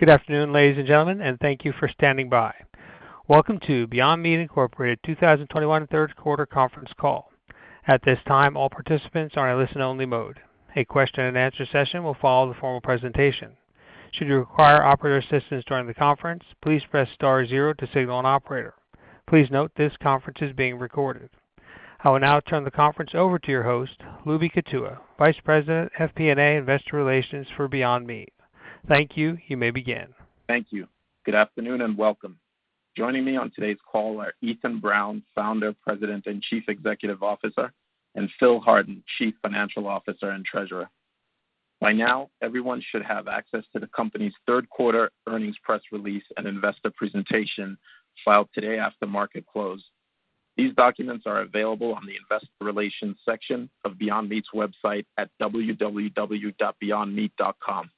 Good afternoon, ladies and gentlemen, and thank you for standing by. Welcome to Beyond Meat Incorporated 2021 Third Quarter Conference Call. At this time, all participants are in a listen-only mode. A question and answer session will follow the formal presentation. Should you require operator assistance during the conference, please press star zero to signal an operator. Please note this conference is being recorded. I will now turn the conference over to your host, Lubi Kutua, Vice President, FP&A and Investor Relations for Beyond Meat. Thank you. You may begin. Thank you. Good afternoon and welcome. Joining me on today's call are Ethan Brown, Founder, President, and Chief Executive Officer, and Phil Hardin, Chief Financial Officer and Treasurer. By now, everyone should have access to the company's third quarter earnings press release and investor presentation filed today after market close. These documents are available on the investor relations section of Beyond Meat's website at www.beyondmeat.com.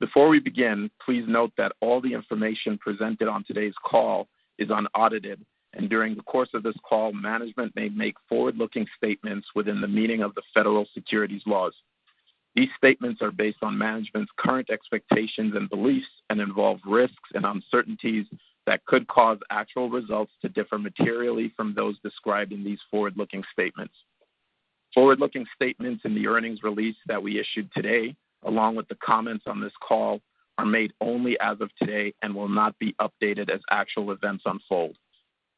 Before we begin, please note that all the information presented on today's call is unaudited, and during the course of this call, management may make forward-looking statements within the meaning of the federal securities laws. These statements are based on management's current expectations and beliefs and involve risks and uncertainties that could cause actual results to differ materially from those described in these forward-looking statements. Forward-looking statements in the earnings release that we issued today, along with the comments on this call, are made only as of today and will not be updated as actual events unfold.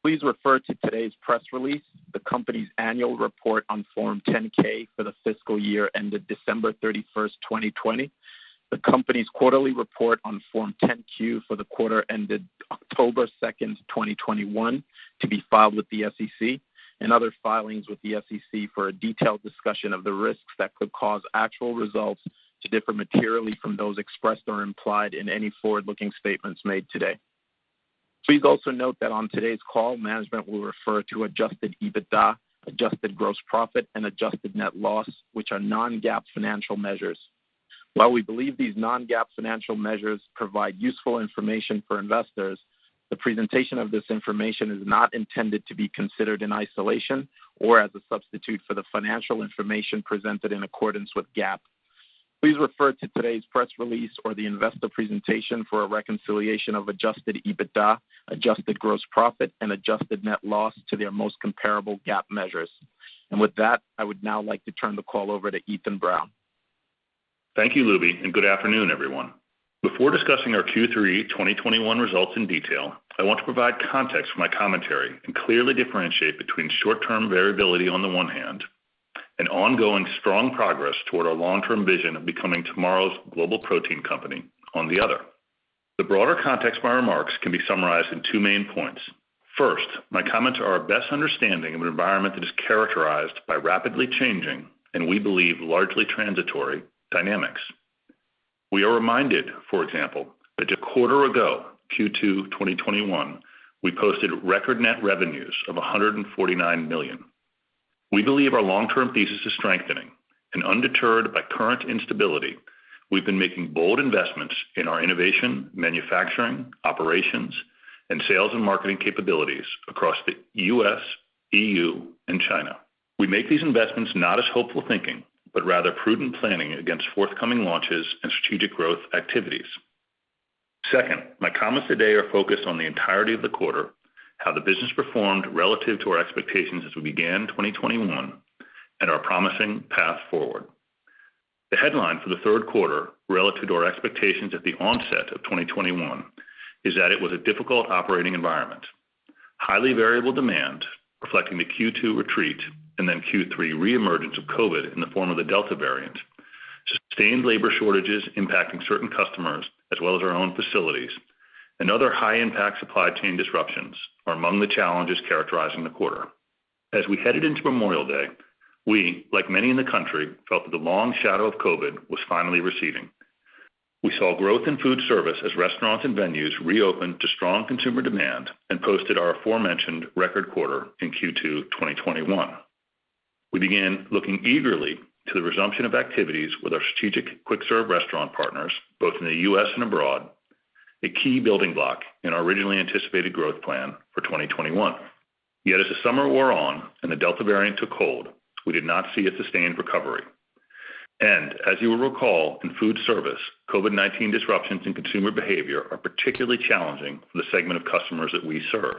Please refer to today's press release, the company's annual report on Form 10-K for the fiscal year ended 31 December 2020, the company's quarterly report on Form 10-Q for the quarter ended 2 October 2021 to be filed with the SEC, and other filings with the SEC for a detailed discussion of the risks that could cause actual results to differ materially from those expressed or implied in any forward-looking statements made today. Please also note that on today's call, management will refer to adjusted EBITDA, adjusted gross profit, and adjusted net loss, which are non-GAAP financial measures. While we believe these non-GAAP financial measures provide useful information for investors, the presentation of this information is not intended to be considered in isolation or as a substitute for the financial information presented in accordance with GAAP. Please refer to today's press release or the investor presentation for a reconciliation of adjusted EBITDA, adjusted gross profit, and adjusted net loss to their most comparable GAAP measures. With that, I would now like to turn the call over to Ethan Brown. Thank you, Lubi, and good afternoon, everyone. Before discussing our Q3 2021 results in detail, I want to provide context for my commentary and clearly differentiate between short-term variability on the one hand and ongoing strong progress toward our long-term vision of becoming tomorrow's global protein company on the other. The broader context of my remarks can be summarized in two main points. First, my comments are our best understanding of an environment that is characterized by rapidly changing, and we believe largely transitory dynamics. We are reminded, for example, that a quarter ago, Q2 2021, we posted record net revenues of $149 million. We believe our long-term thesis is strengthening. Undeterred by current instability, we've been making bold investments in our innovation, manufacturing, operations, and sales and marketing capabilities across the U.S., EU, and China. We make these investments not as hopeful thinking, but rather prudent planning against forthcoming launches and strategic growth activities. Second, my comments today are focused on the entirety of the quarter, how the business performed relative to our expectations as we began 2021, and our promising path forward. The headline for the third quarter relative to our expectations at the onset of 2021 is that it was a difficult operating environment. Highly variable demand, reflecting the Q2 retreat and then Q3 reemergence of COVID in the form of the Delta variant, sustained labor shortages impacting certain customers as well as our own facilities, and other high-impact supply chain disruptions are among the challenges characterizing the quarter. As we headed into Memorial Day, we, like many in the country, felt that the long shadow of COVID was finally receding. We saw growth in food service as restaurants and venues reopened to strong consumer demand and posted our aforementioned record quarter in Q2 2021. We began looking eagerly to the resumption of activities with our strategic quick serve restaurant partners, both in the U.S. and abroad, a key building block in our originally anticipated growth plan for 2021. Yet as the summer wore on and the Delta variant took hold, we did not see a sustained recovery. As you will recall, in food service, COVID-19 disruptions in consumer behavior are particularly challenging for the segment of customers that we serve.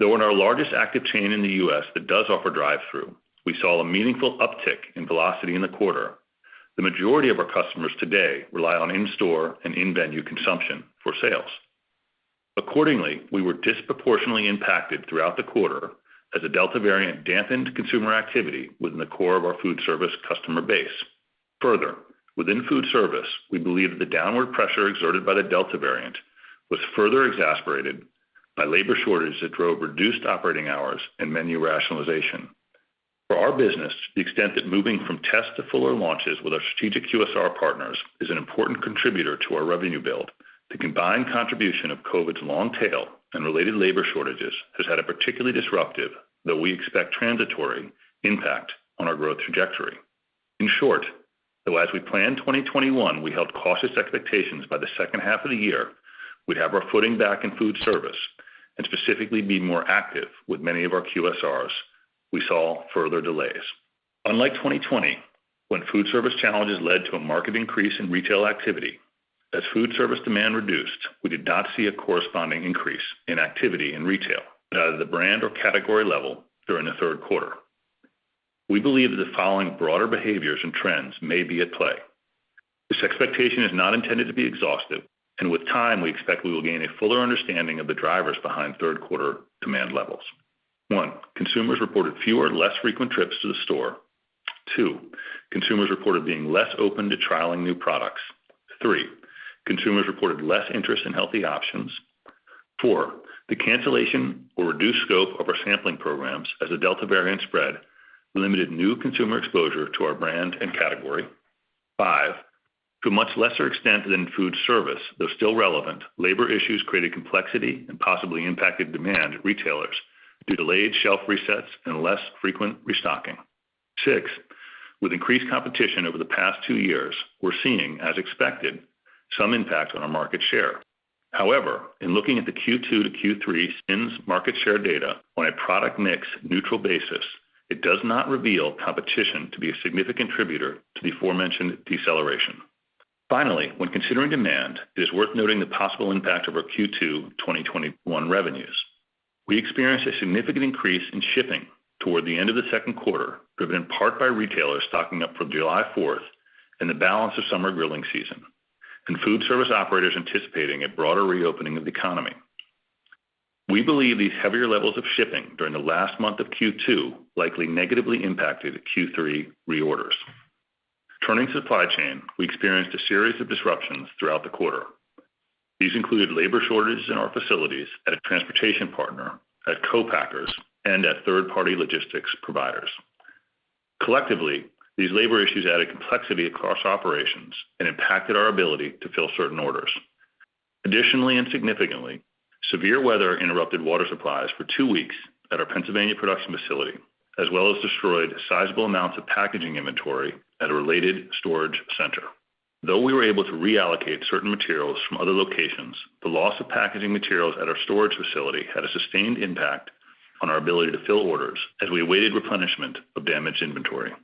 Though in our largest active chain in the U.S. that does offer drive-thru, we saw a meaningful uptick in velocity in the quarter. The majority of our customers today rely on in-store and in-venue consumption for sales. Accordingly, we were disproportionately impacted throughout the quarter as the Delta variant dampened consumer activity within the core of our food service customer base. Further, within food service, we believe the downward pressure exerted by the Delta variant was further exacerbated by labor shortage that drove reduced operating hours and menu rationalization. For our business, to the extent that moving from test to fuller launches with our strategic QSR partners is an important contributor to our revenue build. The combined contribution of COVID's long tail and related labor shortages has had a particularly disruptive, though we expect transitory, impact on our growth trajectory. In short, though, as we planned 2021, we held cautious expectations by the second half of the year we'd have our footing back in food service and specifically be more active with many of our QSRs. We saw further delays. Unlike 2020, when food service challenges led to a market increase in retail activity, as food service demand reduced, we did not see a corresponding increase in activity in retail at either the brand or category level during the third quarter. We believe that the following broader behaviors and trends may be at play. This expectation is not intended to be exhaustive, and with time, we expect we will gain a fuller understanding of the drivers behind third quarter demand levels. One, consumers reported fewer and less frequent trips to the store. Two, consumers reported being less open to trialing new products. Three, consumers reported less interest in healthy options. Four, the cancellation or reduced scope of our sampling programs as the Delta variant spread limited new consumer exposure to our brand and category. Five, to a much lesser extent than food service, though still relevant, labor issues created complexity and possibly impacted demand at retailers due to delayed shelf resets and less frequent restocking. Six, with increased competition over the past 2 years, we're seeing, as expected, some impact on our market share. However, in looking at the Q2 to Q3 SPINS market share data on a product mix neutral basis, it does not reveal competition to be a significant contributor to the aforementioned deceleration. Finally, when considering demand, it is worth noting the possible impact of our Q2 2021 revenues. We experienced a significant increase in shipping toward the end of the second quarter, driven in part by retailers stocking up for July Fourth and the balance of summer grilling season, and food service operators anticipating a broader reopening of the economy. We believe these heavier levels of shipping during the last month of Q2 likely negatively impacted Q3 reorders. Turning to supply chain, we experienced a series of disruptions throughout the quarter. These included labor shortages in our facilities at a transportation partner, at co-packers, and at third-party logistics providers. Collectively, these labor issues added complexity across operations and impacted our ability to fill certain orders. Additionally, and significantly, severe weather interrupted water supplies for two weeks at our Pennsylvania production facility, as well as destroyed sizable amounts of packaging inventory at a related storage center. Though we were able to reallocate certain materials from other locations, the loss of packaging materials at our storage facility had a sustained impact on our ability to fill orders as we awaited replenishment of damaged inventory.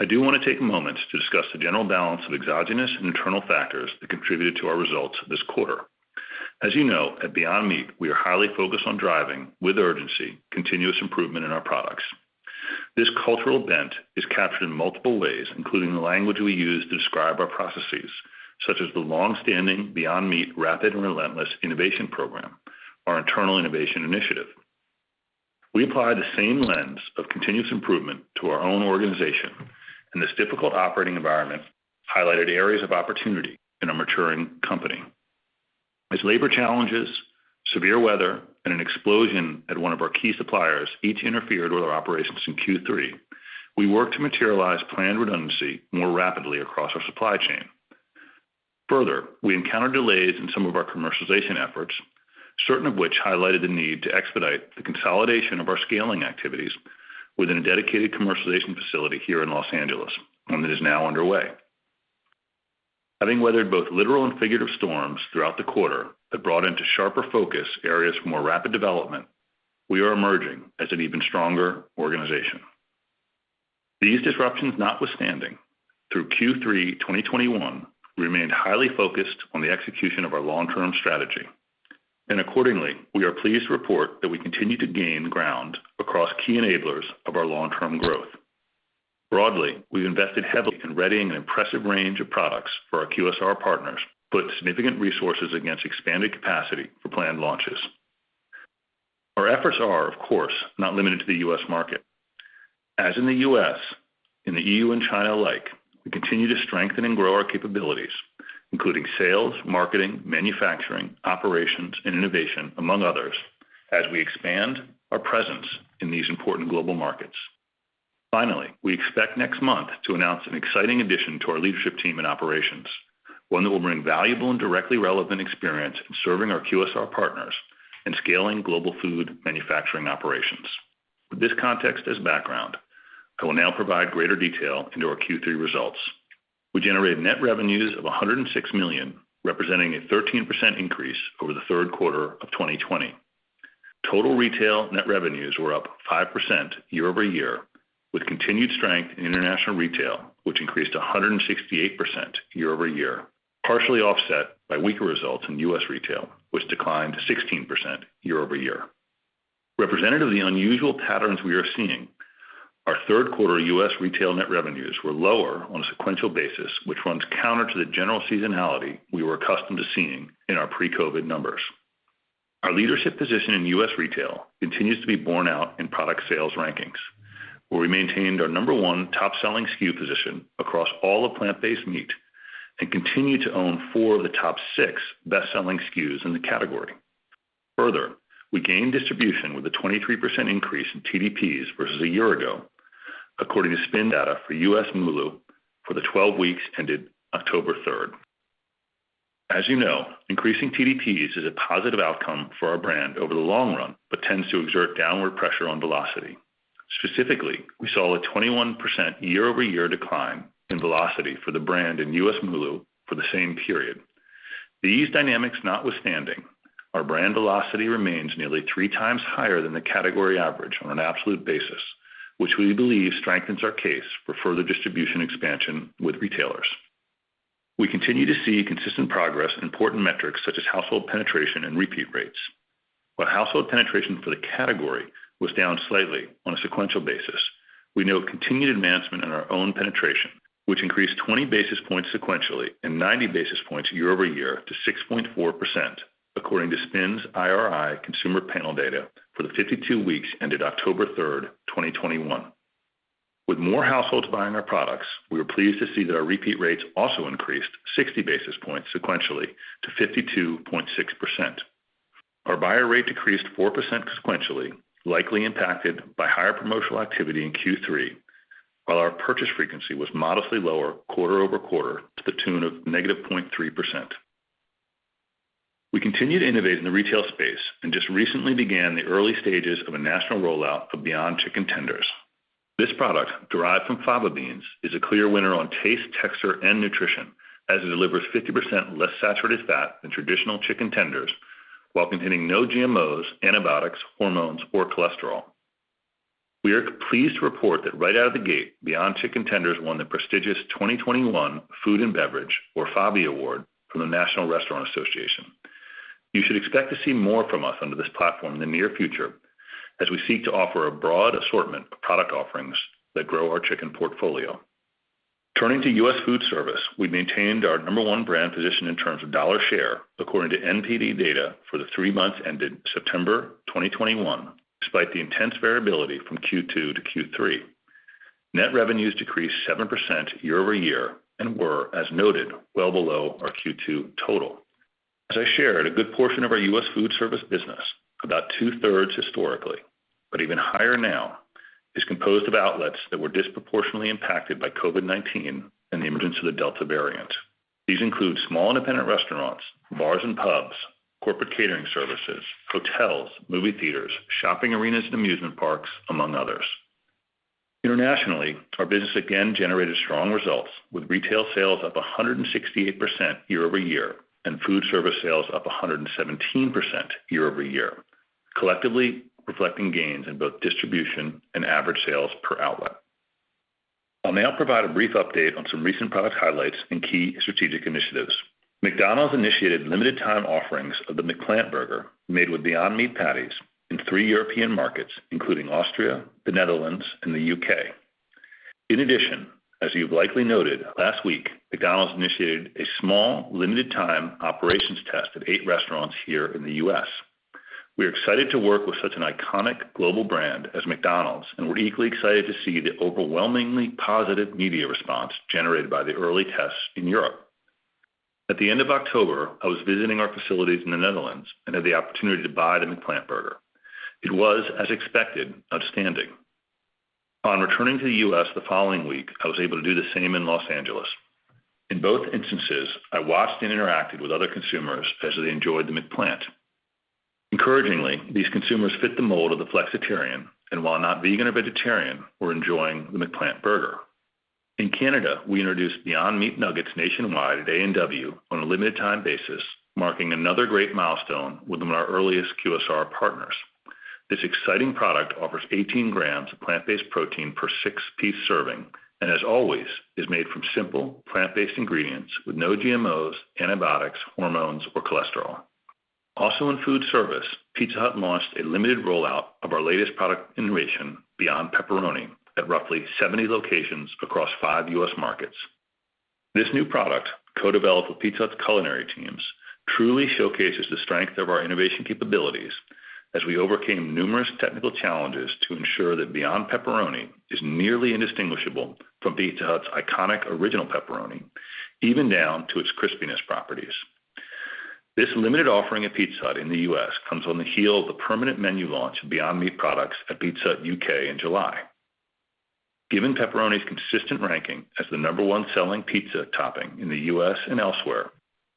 I do want to take a moment to discuss the general balance of exogenous and internal factors that contributed to our results this quarter. As you know, at Beyond Meat, we are highly focused on driving, with urgency, continuous improvement in our products. This cultural bent is captured in multiple ways, including the language we use to describe our processes, such as the longstanding Beyond Meat Rapid and Relentless Innovation program, our internal innovation initiative. We apply the same lens of continuous improvement to our own organization, and this difficult operating environment highlighted areas of opportunity in a maturing company. As labor challenges, severe weather, and an explosion at one of our key suppliers each interfered with our operations in Q3, we worked to materialize planned redundancy more rapidly across our supply chain. Further, we encountered delays in some of our commercialization efforts, certain of which highlighted the need to expedite the consolidation of our scaling activities within a dedicated commercialization facility here in Los Angeles, one that is now underway. Having weathered both literal and figurative storms throughout the quarter that brought into sharper focus areas for more rapid development, we are emerging as an even stronger organization. These disruptions notwithstanding, through Q3 2021, we remained highly focused on the execution of our long-term strategy. Accordingly, we are pleased to report that we continue to gain ground across key enablers of our long-term growth. Broadly, we've invested heavily in readying an impressive range of products for our QSR partners, put significant resources against expanded capacity for planned launches. Our efforts are, of course, not limited to the U.S. market. As in the U.S., in the EU and China alike, we continue to strengthen and grow our capabilities, including sales, marketing, manufacturing, operations, and innovation, among others, as we expand our presence in these important global markets. Finally, we expect next month to announce an exciting addition to our leadership team and operations, one that will bring valuable and directly relevant experience in serving our QSR partners and scaling global food manufacturing operations. With this context as background, I will now provide greater detail into our Q3 results. We generated net revenues of $106 million, representing a 13% increase over the third quarter of 2020. Total retail net revenues were up 5% year-over-year, with continued strength in international retail, which increased 168% year-over-year, partially offset by weaker results in U.S. retail, which declined 16% year-over-year. Representative of the unusual patterns we are seeing, our third quarter U.S. retail net revenues were lower on a sequential basis, which runs counter to the general seasonality we were accustomed to seeing in our pre-COVID numbers. Our leadership position in U.S. retail continues to be borne out in product sales rankings, where we maintained our number one top-selling SKU position across all of plant-based meat and continue to own 4 of the top 6 best-selling SKUs in the category. Further, we gained distribution with a 23% increase in TDPs versus a year ago, according to SPINS data for U.S. MULO for the 12 weeks ended October 3. As you know, increasing TDPs is a positive outcome for our brand over the long run, but tends to exert downward pressure on velocity. Specifically, we saw a 21% year-over-year decline in velocity for the brand in U.S. MULO for the same period. These dynamics notwithstanding, our brand velocity remains nearly 3 times higher than the category average on an absolute basis, which we believe strengthens our case for further distribution expansion with retailers. We continue to see consistent progress in important metrics such as household penetration and repeat rates, where household penetration for the category was down slightly on a sequential basis. We note continued advancement in our own penetration, which increased 20 basis points sequentially and 90 basis points year-over-year to 6.4%, according to SPINS/IRI Consumer Panel data for the 52 weeks ended 3 October 2021. With more households buying our products, we were pleased to see that our repeat rates also increased 60 basis points sequentially to 52.6%. Our buyer rate decreased 4% sequentially, likely impacted by higher promotional activity in Q3, while our purchase frequency was modestly lower quarter-over-quarter to the tune of -0.3%. We continue to innovate in the retail space and just recently began the early stages of a national rollout of Beyond Chicken Tenders. This product, derived from fava beans, is a clear winner on taste, texture and nutrition as it delivers 50% less saturated fat than traditional chicken tenders while containing no GMOs, antibiotics, hormones or cholesterol. We are pleased to report that right out of the gate, Beyond Chicken Tenders won the prestigious 2021 Food and Beverage, or FABI, Award from the National Restaurant Association. You should expect to see more from us under this platform in the near future as we seek to offer a broad assortment of product offerings that grow our chicken portfolio. Turning to U.S. food service, we maintained our number one brand position in terms of dollar share, according to NPD data for the three months ended September 2021 despite the intense variability from Q2 to Q3. Net revenues decreased 7% year-over-year and were, as noted, well below our Q2 total. As I shared, a good portion of our U.S. food service business, about two-thirds historically, but even higher now, is composed of outlets that were disproportionately impacted by COVID-19 and the emergence of the Delta variant. These include small independent restaurants, bars and pubs, corporate catering services, hotels, movie theaters, shopping arenas and amusement parks, among others. Internationally, our business again generated strong results with retail sales up 168% year-over-year, and food service sales up 117% year-over-year, collectively reflecting gains in both distribution and average sales per outlet. I'll now provide a brief update on some recent product highlights and key strategic initiatives. McDonald's initiated limited time offerings of the McPlant burger made with Beyond Meat patties in three European markets, including Austria, the Netherlands and the U.K. In addition, as you've likely noted, last week, McDonald's initiated a small, limited time operations test at eight restaurants here in the U.S. We are excited to work with such an iconic global brand as McDonald's, and we're equally excited to see the overwhelmingly positive media response generated by the early tests in Europe. At the end of October, I was visiting our facilities in the Netherlands and had the opportunity to buy the McPlant burger. It was, as expected, outstanding. On returning to the U.S. the following week, I was able to do the same in Los Angeles. In both instances, I watched and interacted with other consumers as they enjoyed the McPlant. Encouragingly, these consumers fit the mold of the flexitarian, and while not vegan or vegetarian, were enjoying the McPlant burger. In Canada, we introduced Beyond Meat Nuggets nationwide at A&W on a limited time basis, marking another great milestone with one of our earliest QSR partners. This exciting product offers 18 grams of plant-based protein per 6-piece serving and as always, is made from simple, plant-based ingredients with no GMOs, antibiotics, hormones or cholesterol. Also in food service, Pizza Hut launched a limited rollout of our latest product innovation, Beyond Pepperoni, at roughly 70 locations across 5 U.S. markets. This new product, co-developed with Pizza Hut's culinary teams, truly showcases the strength of our innovation capabilities as we overcame numerous technical challenges to ensure that Beyond Pepperoni is nearly indistinguishable from Pizza Hut's iconic original pepperoni, even down to its crispiness properties. This limited offering at Pizza Hut in the U.S. comes on the heels of the permanent menu launch of Beyond Meat products at Pizza Hut UK in July. Given pepperoni's consistent ranking as the number one selling pizza topping in the U.S. and elsewhere,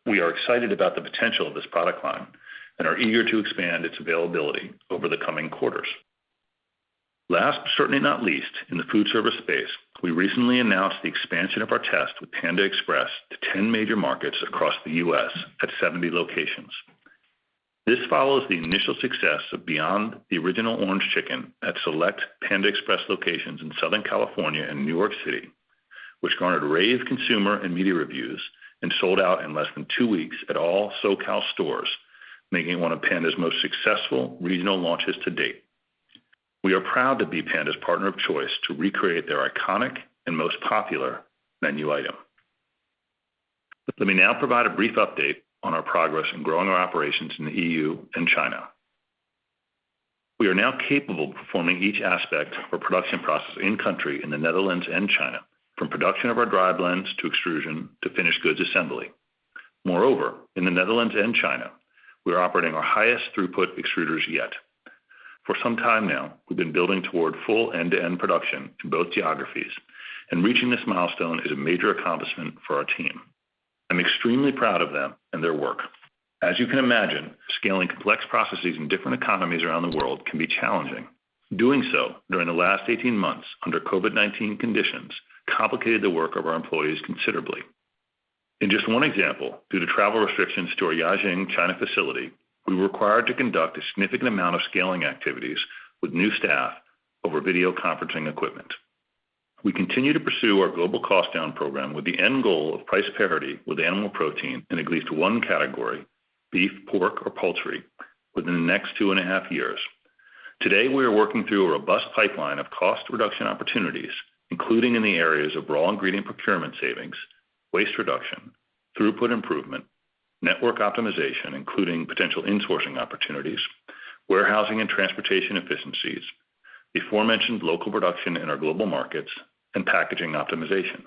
we are excited about the potential of this product line and are eager to expand its availability over the coming quarters. Last, but certainly not least, in the food service space, we recently announced the expansion of our test with Panda Express to 10 major markets across the U.S. at 70 locations. This follows the initial success of Beyond The Original Orange Chicken at select Panda Express locations in Southern California and New York City, which garnered rave consumer and media reviews and sold out in less than two weeks at all SoCal stores, making it one of Panda's most successful regional launches to date. We are proud to be Panda's partner of choice to recreate their iconic and most popular menu item. Let me now provide a brief update on our progress in growing our operations in the EU and China. We are now capable of performing each aspect of our production process in country in the Netherlands and China, from production of our dry blends to extrusion to finished goods assembly. Moreover, in the Netherlands and China, we are operating our highest throughput extruders yet. For some time now, we've been building toward full end-to-end production in both geographies, and reaching this milestone is a major accomplishment for our team. I'm extremely proud of them and their work. As you can imagine, scaling complex processes in different economies around the world can be challenging. Doing so during the last 18 months under COVID-19 conditions complicated the work of our employees considerably. In just one example, due to travel restrictions to our Jiaxing, China facility, we were required to conduct a significant amount of scaling activities with new staff over video conferencing equipment. We continue to pursue our global cost down program with the end goal of price parity with animal protein in at least one category, beef, pork or poultry, within the next two and a half years. Today, we are working through a robust pipeline of cost reduction opportunities, including in the areas of raw ingredient procurement savings, waste reduction, throughput improvement, network optimization, including potential insourcing opportunities, warehousing and transportation efficiencies, the aforementioned local production in our global markets and packaging optimization.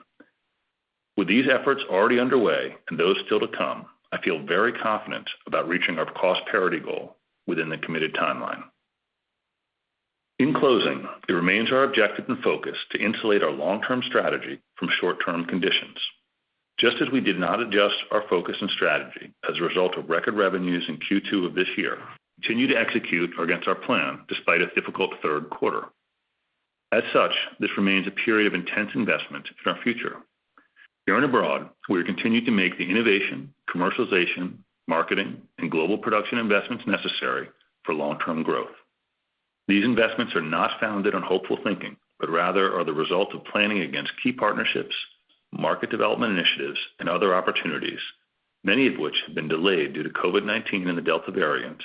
With these efforts already underway and those still to come, I feel very confident about reaching our cost parity goal within the committed timeline. In closing, it remains our objective and focus to insulate our long-term strategy from short-term conditions. Just as we did not adjust our focus and strategy as a result of record revenues in Q2 of this year, we continue to execute against our plan despite a difficult third quarter. As such, this remains a period of intense investment in our future. Here and abroad, we are continuing to make the innovation, commercialization, marketing and global production investments necessary for long-term growth. These investments are not founded on hopeful thinking, but rather are the result of planning against key partnerships, market development initiatives and other opportunities, many of which have been delayed due to COVID-19 and the Delta variant,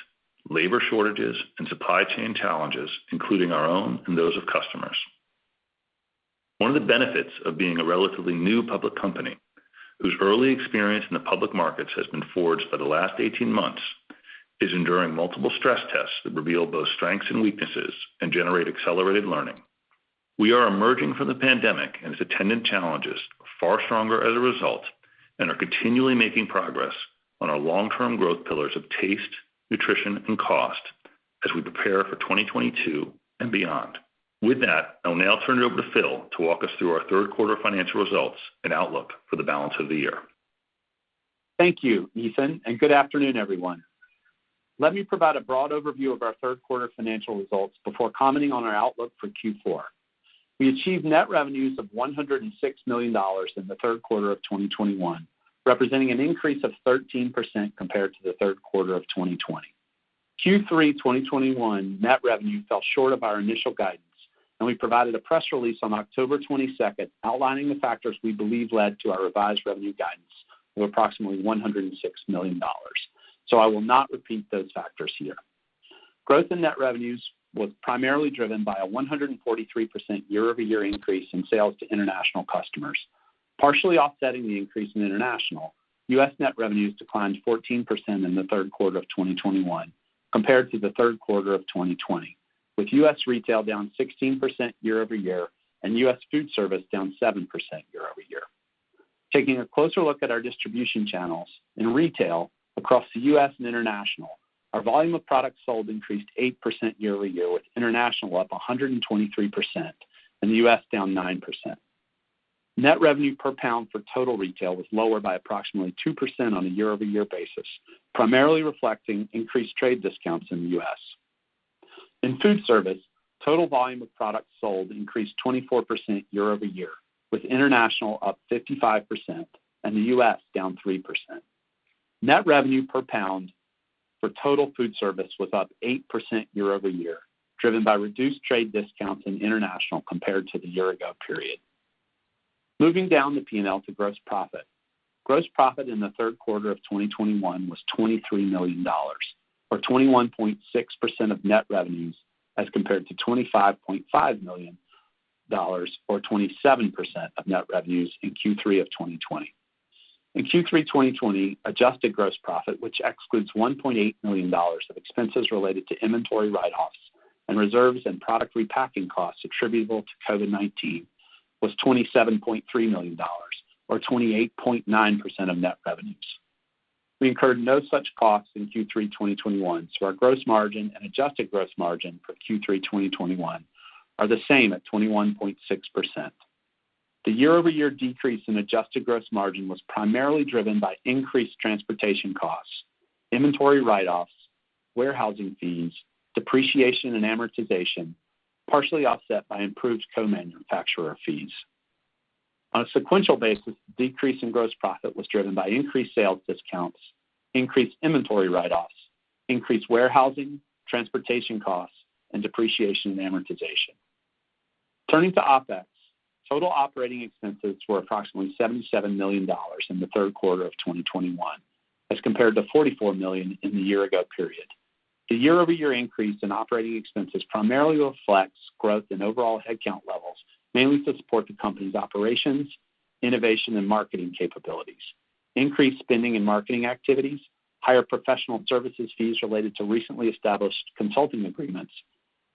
labor shortages and supply chain challenges, including our own and those of customers. One of the benefits of being a relatively new public company whose early experience in the public markets has been forged for the last 18 months is enduring multiple stress tests that reveal both strengths and weaknesses and generate accelerated learning. We are emerging from the pandemic and its attendant challenges far stronger as a result and are continually making progress on our long-term growth pillars of taste, nutrition and cost as we prepare for 2022 and beyond. With that, I'll now turn it over to Phil to walk us through our third quarter financial results and outlook for the balance of the year. Thank you, Ethan, and good afternoon, everyone. Let me provide a broad overview of our third quarter financial results before commenting on our outlook for Q4. We achieved net revenues of $106 million in the third quarter of 2021, representing an increase of 13% compared to the third quarter of 2020. Q3 2021 net revenue fell short of our initial guidance, and we provided a press release on October 22 outlining the factors we believe led to our revised revenue guidance of approximately $106 million. I will not repeat those factors here. Growth in net revenues was primarily driven by a 143% year-over-year increase in sales to international customers. Partially offsetting the increase in international, U.S. net revenues declined 14% in the third quarter of 2021 compared to the third quarter of 2020, with U.S. retail down 16% year-over-year and U.S. food service down 7% year-over-year. Taking a closer look at our distribution channels in retail across the U.S. and international, our volume of products sold increased 8% year-over-year, with international up 123% and the U.S. down 9%. Net revenue per pound for total retail was lower by approximately 2% on a year-over-year basis, primarily reflecting increased trade discounts in the U.S. In food service, total volume of products sold increased 24% year-over-year, with international up 55% and the U.S. down 3%. Net revenue per pound for total food service was up 8% year-over-year, driven by reduced trade discounts in international compared to the year ago period. Moving down the P&L to gross profit. Gross profit in the third quarter of 2021 was $23 million, or 21.6% of net revenues as compared to $25.5 million or 27% of net revenues in Q3 of 2020. In Q3 2020, adjusted gross profit, which excludes $1.8 million of expenses related to inventory write-offs and reserves and product repacking costs attributable to COVID-19, was $27.3 million or 28.9% of net revenues. We incurred no such costs in Q3 2021, so our gross margin and adjusted gross margin for Q3 2021 are the same at 21.6%. The year-over-year decrease in adjusted gross margin was primarily driven by increased transportation costs, inventory write-offs, warehousing fees, depreciation and amortization, partially offset by improved co-manufacturer fees. On a sequential basis, the decrease in gross profit was driven by increased sales discounts, increased inventory write-offs, increased warehousing, transportation costs, and depreciation and amortization. Turning to OpEx, total operating expenses were approximately $77 million in the third quarter of 2021, as compared to $44 million in the year ago period. The year-over-year increase in operating expenses primarily reflects growth in overall headcount levels, mainly to support the company's operations, innovation and marketing capabilities, increased spending in marketing activities, higher professional services fees related to recently established consulting agreements,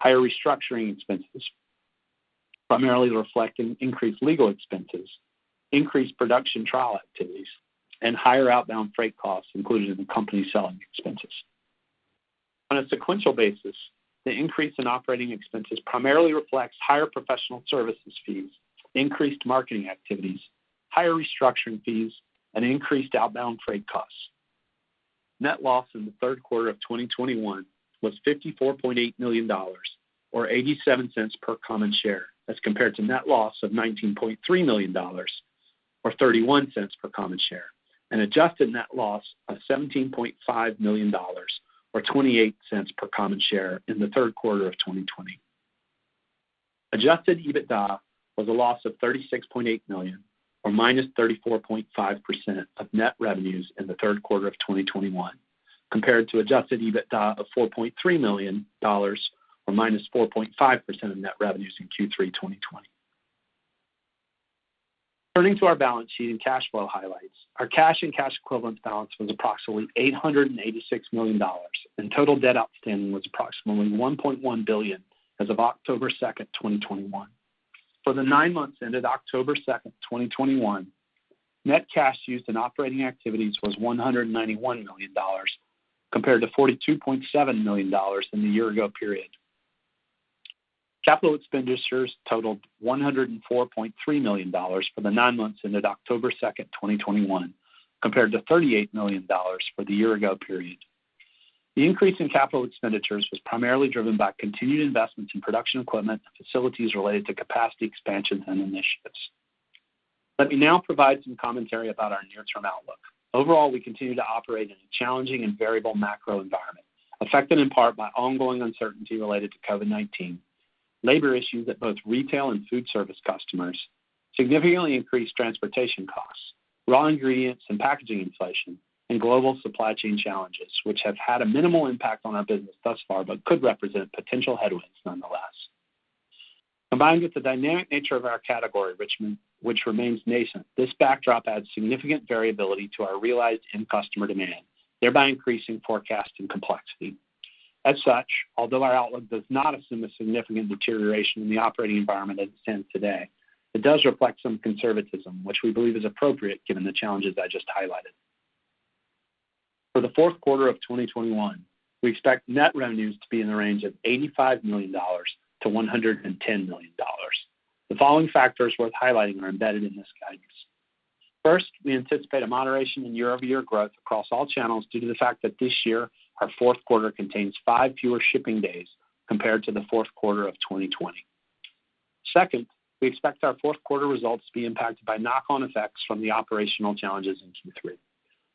higher restructuring expenses, primarily reflecting increased legal expenses, increased production trial activities, and higher outbound freight costs included in the company's selling expenses. On a sequential basis, the increase in operating expenses primarily reflects higher professional services fees, increased marketing activities, higher restructuring fees, and increased outbound freight costs. Net loss in the third quarter of 2021 was $54.8 million or $0.87 per common share as compared to net loss of $19.3 million or $0.31 per common share, and adjusted net loss of $17.5 million or $0.28 per common share in the third quarter of 2020. Adjusted EBITDA was a loss of $36.8 million or -34.5% of net revenues in the third quarter of 2021 compared to adjusted EBITDA of $4.3 million or -4.5% of net revenues in Q3 2020. Turning to our balance sheet and cash flow highlights. Our cash and cash equivalents balance was approximately $886 million, and total debt outstanding was approximately $1.1 billion as of 2 October 2, 2021. For the nine months ended October 2, 2021, net cash used in operating activities was $191 million compared to $42.7 million in the year ago period. Capital expenditures totaled $104.3 million for the nine months ended October 2, 2021 compared to $38 million for the year ago period. The increase in capital expenditures was primarily driven by continued investments in production equipment and facilities related to capacity expansions and initiatives. Let me now provide some commentary about our near-term outlook. Overall, we continue to operate in a challenging and variable macro environment, affected in part by ongoing uncertainty related to COVID-19, labor issues at both retail and food service customers, significantly increased transportation costs, raw ingredients and packaging inflation, and global supply chain challenges, which have had a minimal impact on our business thus far but could represent potential headwinds nonetheless. Combined with the dynamic nature of our category which remains nascent, this backdrop adds significant variability to our realized end customer demand, thereby increasing forecast and complexity. As such, although our outlook does not assume a significant deterioration in the operating environment as it stands today, it does reflect some conservatism, which we believe is appropriate given the challenges I just highlighted. For the fourth quarter of 2021, we expect net revenues to be in the range of $85 million-$110 million. The following factors worth highlighting are embedded in this guidance. First, we anticipate a moderation in year-over-year growth across all channels due to the fact that this year our fourth quarter contains 5 fewer shipping days compared to the fourth quarter of 2020. Second, we expect our fourth quarter results to be impacted by knock-on effects from the operational challenges in Q3.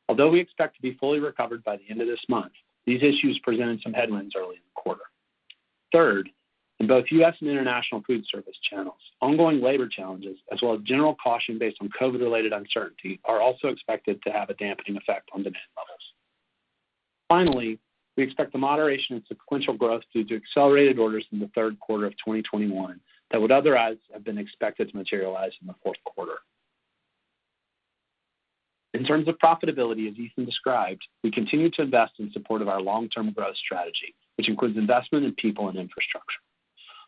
Although we expect to be fully recovered by the end of this month, these issues presented some headwinds early in the quarter. Third, in both U.S. and international food service channels, ongoing labor challenges as well as general caution based on COVID-related uncertainty are also expected to have a dampening effect on demand levels. Finally, we expect a moderation in sequential growth due to accelerated orders in the third quarter of 2021 that would otherwise have been expected to materialize in the fourth quarter. In terms of profitability, as Ethan described, we continue to invest in support of our long-term growth strategy, which includes investment in people and infrastructure.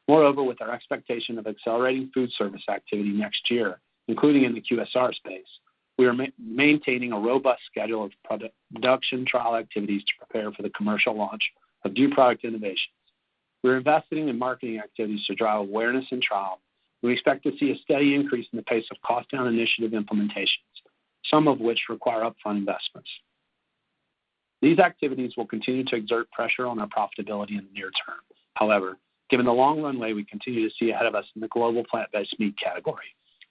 Moreover, with our expectation of accelerating food service activity next year, including in the QSR space, we are maintaining a robust schedule of production trial activities to prepare for the commercial launch of new product innovations. We're investing in marketing activities to drive awareness and trial. We expect to see a steady increase in the pace of cost down initiative implementations, some of which require upfront investments. These activities will continue to exert pressure on our profitability in the near term. However, given the long runway we continue to see ahead of us in the global plant-based meat category,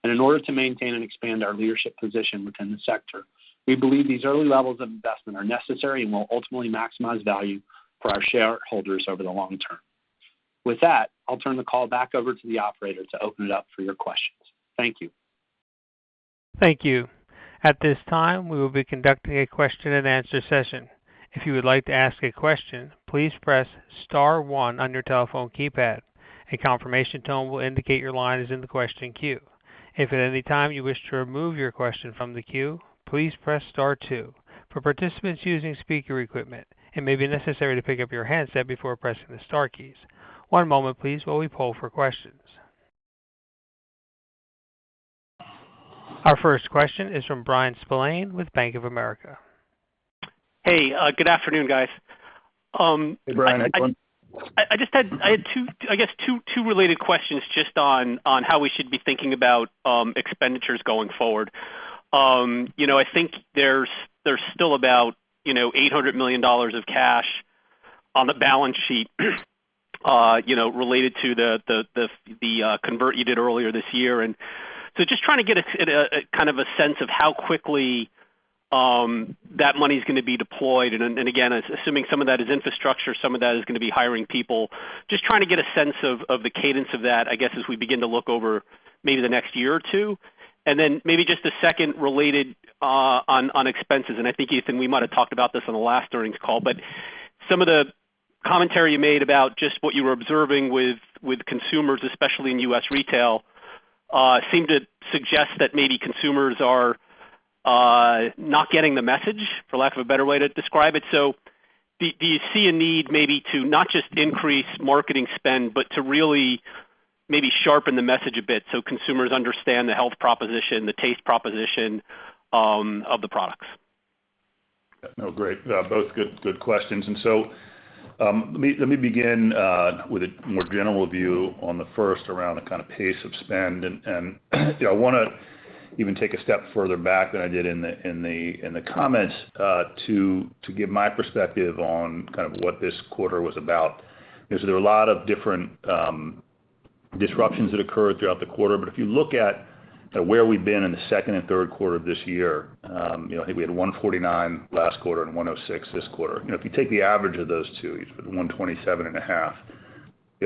and in order to maintain and expand our leadership position within the sector, we believe these early levels of investment are necessary and will ultimately maximize value for our shareholders over the long term. With that, I'll turn the call back over to the operator to open it up for your questions. Thank you. Thank you. At this time, we will be conducting a question-and-answer session. If you would like to ask a question, please press star one on your telephone keypad. A confirmation tone will indicate your line is in the question queue. If at any time you wish to remove your question from the queue, please press star two. For participants using speaker equipment, it may be necessary to pick up your handset before pressing the star keys. One moment please while we poll for questions. Our first question is from Bryan Spillane with Bank of America. Hey, good afternoon, guys. Hey, Brian. I just had two related questions on how we should be thinking about expenditures going forward. You know, I think there's still about $800 million of cash on the balance sheet, you know, related to the convert you did earlier this year. Just trying to get a sense of how quickly that money's gonna be deployed. Again, assuming some of that is infrastructure, some of that is gonna be hiring people. Just trying to get a sense of the cadence of that, I guess, as we begin to look over maybe the next year or two. Maybe just a second related on expenses, and I think, Ethan, we might have talked about this on the last earnings call. Some of the commentary you made about just what you were observing with consumers, especially in U.S. retail, seem to suggest that maybe consumers are not getting the message, for lack of a better way to describe it. Do you see a need maybe to not just increase marketing spend, but to really maybe sharpen the message a bit so consumers understand the health proposition, the taste proposition, of the products. No, great. Both good questions. Let me begin with a more general view on the first around the kind of pace of spend. You know, I wanna even take a step further back than I did in the comments to give my perspective on kind of what this quarter was about. Because there were a lot of different disruptions that occurred throughout the quarter. If you look at where we've been in the second and third quarter of this year, you know, I think we had 149 last quarter and 106 this quarter. You know, if you take the average of those two, it's 127.5.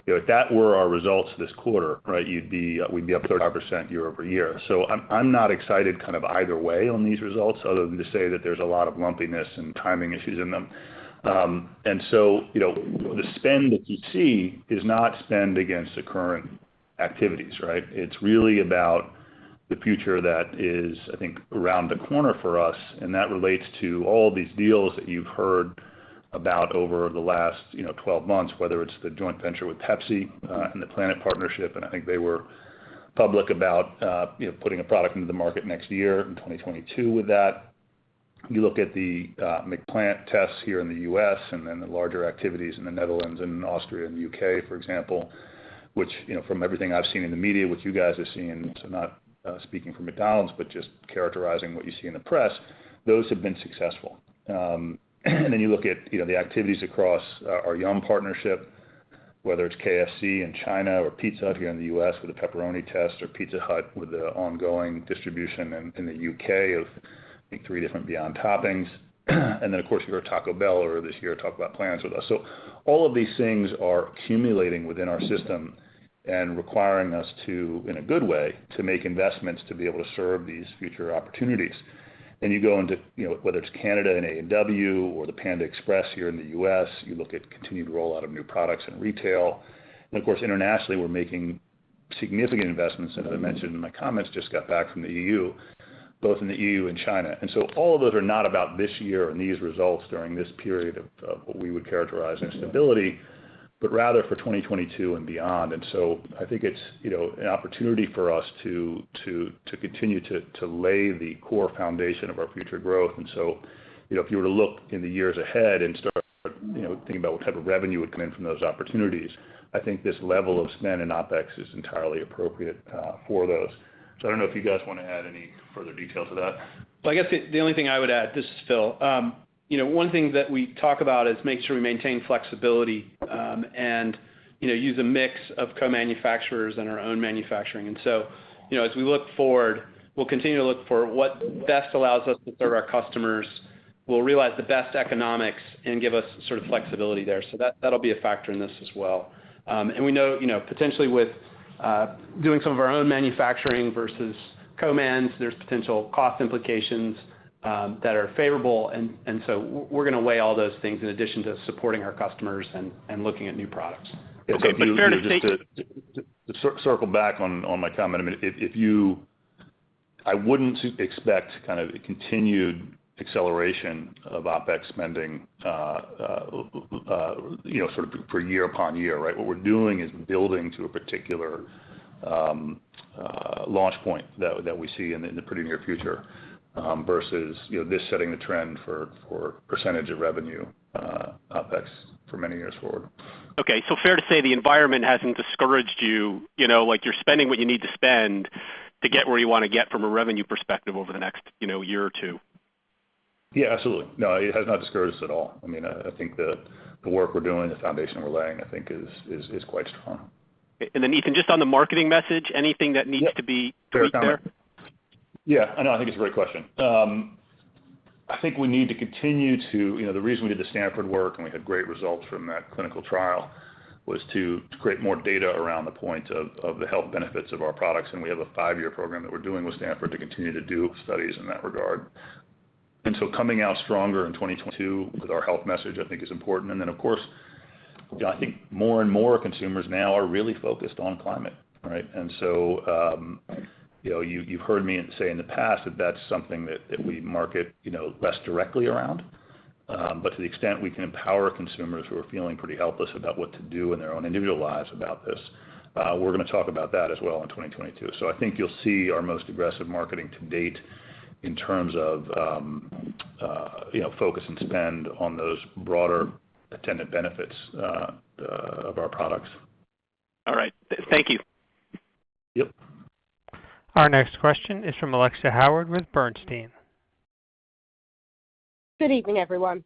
If that were our results this quarter, right, you'd be—we'd be up 35% year-over-year. I'm not excited kind of either way on these results other than to say that there's a lot of lumpiness and timing issues in them. You know, the spend that you see is not spend against the current activities, right? It's really about the future that is, I think, around the corner for us, and that relates to all these deals that you've heard about over the last, you know, 12 months, whether it's the joint venture with Pepsi and the Planet Partnership. I think they were public about, you know, putting a product into the market next year in 2022 with that. You look at the McPlant tests here in the U.S. and then the larger activities in the Netherlands and Austria and U.K., for example, which, you know, from everything I've seen in the media, which you guys have seen, so not speaking for McDonald's, but just characterizing what you see in the press, those have been successful. You look at, you know, the activities across our Yum partnership, whether it's KFC in China or Pizza Hut here in the U.S. with a pepperoni test, or Pizza Hut with the ongoing distribution in the U.K. of, I think, three different Beyond toppings. Of course, you heard Taco Bell earlier this year talk about plans with us. All of these things are accumulating within our system and requiring us to, in a good way, to make investments to be able to serve these future opportunities. You go into, you know, whether it's Canada and A&W or the Panda Express here in the U.S. You look at continued rollout of new products in retail. Of course, internationally, we're making significant investments. As I mentioned in my comments, just got back from the EU, both in the EU and China. All of those are not about this year and these results during this period of what we would characterize as stability, but rather for 2022 and beyond. I think it's, you know, an opportunity for us to continue to lay the core foundation of our future growth. You know, if you were to look in the years ahead and start, you know, thinking about what type of revenue would come in from those opportunities, I think this level of spend and OpEx is entirely appropriate for those. I don't know if you guys want to add any further detail to that. Well, I guess the only thing I would add, this is Phil. You know, one thing that we talk about is make sure we maintain flexibility, and you know, use a mix of co-manufacturers and our own manufacturing. You know, as we look forward, we'll continue to look for what best allows us to serve our customers, will realize the best economics, and give us sort of flexibility there. That'll be a factor in this as well. We know, you know, potentially with doing some of our own manufacturing versus co-mans, there's potential cost implications that are favorable. We're gonna weigh all those things in addition to supporting our customers and looking at new products. Okay, fair to say. Just to circle back on my comment. I mean, I wouldn't expect kind of a continued acceleration of OpEx spending, you know, sort of year upon year, right? What we're doing is building to a particular launch point that we see in the pretty near future, versus, you know, this setting the trend for percentage of revenue, OpEx for many years forward. Okay. Fair to say the environment hasn't discouraged you. You know, like you're spending what you need to spend to get where you wanna get from a revenue perspective over the next, you know, year or two. Yeah, absolutely. No, it has not discouraged us at all. I mean, I think the work we're doing, the foundation we're laying, I think is quite strong. Ethan, just on the marketing message, anything that needs to be- Yeah. -communicated? Yeah. No, I think it's a great question. I think we need to continue to. You know, the reason we did the Stanford work, and we had great results from that clinical trial, was to create more data around the point of the health benefits of our products. We have a five-year program that we're doing with Stanford to continue to do studies in that regard. Coming out stronger in 2022 with our health message, I think is important. Then, of course, you know, I think more and more consumers now are really focused on climate, right? You know, you've heard me say in the past that that's something that we market, you know, less directly around. To the extent we can empower consumers who are feeling pretty helpless about what to do in their own individual lives about this, we're gonna talk about that as well in 2022. I think you'll see our most aggressive marketing to date in terms of, you know, focus and spend on those broader attendant benefits of our products. All right. Thank you. Yep. Our next question is from Alexia Howard with Bernstein. Good evening, everyone.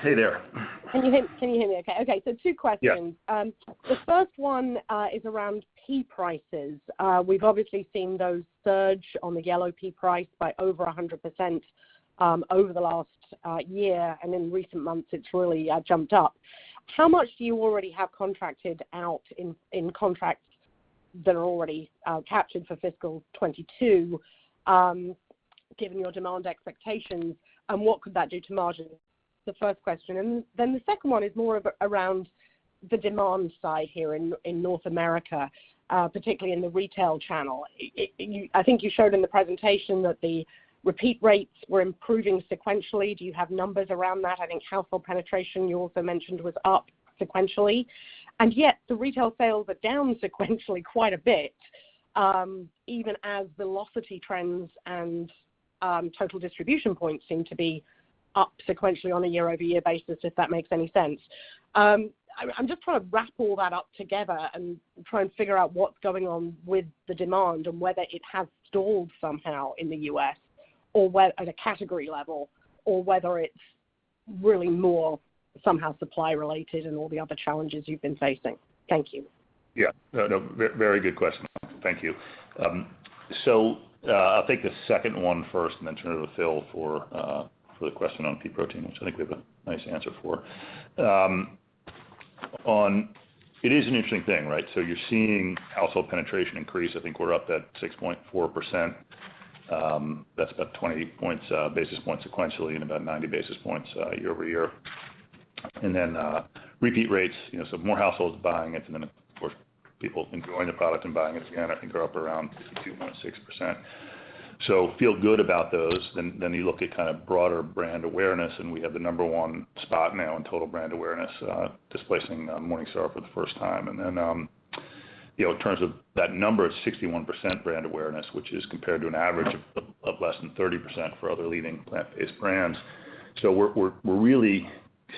Hey there. Can you hear me okay? Okay, so two questions. Yeah. The first one is around pea prices. We've obviously seen those surge on the yellow pea price by over 100%, over the last year, and in recent months, it's really jumped up. How much do you already have contracted out in contracts that are already captured for fiscal 2022, given your demand expectations, and what could that do to margins? The first question. Then the second one is more around the demand side here in North America, particularly in the retail channel. It I think you showed in the presentation that the repeat rates were improving sequentially. Do you have numbers around that? I think household penetration, you also mentioned, was up sequentially. The retail sales are down sequentially quite a bit, even as velocity trends and total distribution points seem to be up sequentially on a year-over-year basis, if that makes any sense. I'm just trying to wrap all that up together and try and figure out what's going on with the demand and whether it has stalled somehow in the U.S. or at a category level, or whether it's really more somehow supply related and all the other challenges you've been facing. Thank you. Yeah. No, no, very good question. Thank you. I'll take the second one first, and then turn it to Phil for the question on pea protein, which I think we have a nice answer for. It is an interesting thing, right? You're seeing household penetration increase. I think we're up at 6.4%. That's up 20 basis points sequentially, and about 90 basis points year over year. Repeat rates, you know, so more households buying it and then, of course, people enjoying the product and buying it again, I think are up around 62.6%. Feel good about those. Then you look at kind of broader brand awareness, and we have the number one spot now in total brand awareness, displacing MorningStar for the first time. You know, in terms of that number, it's 61% brand awareness, which is compared to an average of less than 30% for other leading plant-based brands. We're really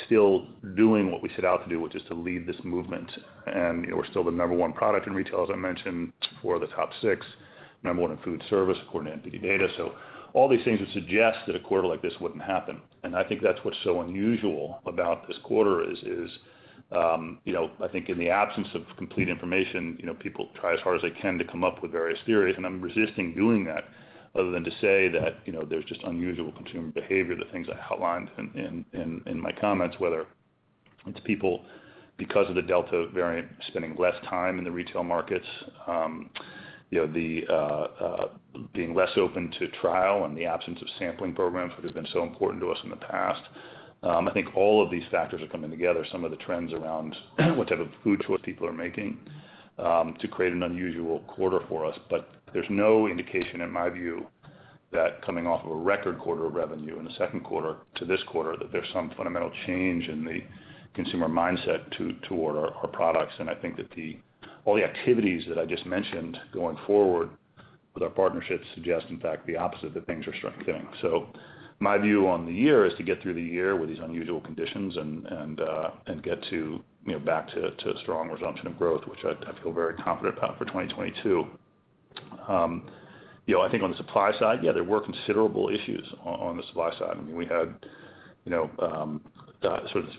still doing what we set out to do, which is to lead this movement. You know, we're still the number one product in retail, as I mentioned, four of the top six. Number one in food service according to NPD data. All these things would suggest that a quarter like this wouldn't happen. I think that's what's so unusual about this quarter is, you know, I think in the absence of complete information, you know, people try as hard as they can to come up with various theories, and I'm resisting doing that other than to say that, you know, there's just unusual consumer behavior, the things I outlined in my comments, whether it's people, because of the Delta variant, spending less time in the retail markets, you know, being less open to trial and the absence of sampling programs, which has been so important to us in the past. I think all of these factors are coming together, some of the trends around what type of food choice people are making, to create an unusual quarter for us. There's no indication, in my view, that coming off of a record quarter of revenue in the second quarter to this quarter, that there's some fundamental change in the consumer mindset toward our products. I think that all the activities that I just mentioned going forward with our partnerships suggest, in fact, the opposite, that things are strengthening. My view on the year is to get through the year with these unusual conditions and get to, you know, back to strong resumption of growth, which I feel very confident about for 2022. You know, I think on the supply side, yeah, there were considerable issues on the supply side. I mean, we had, you know, sort of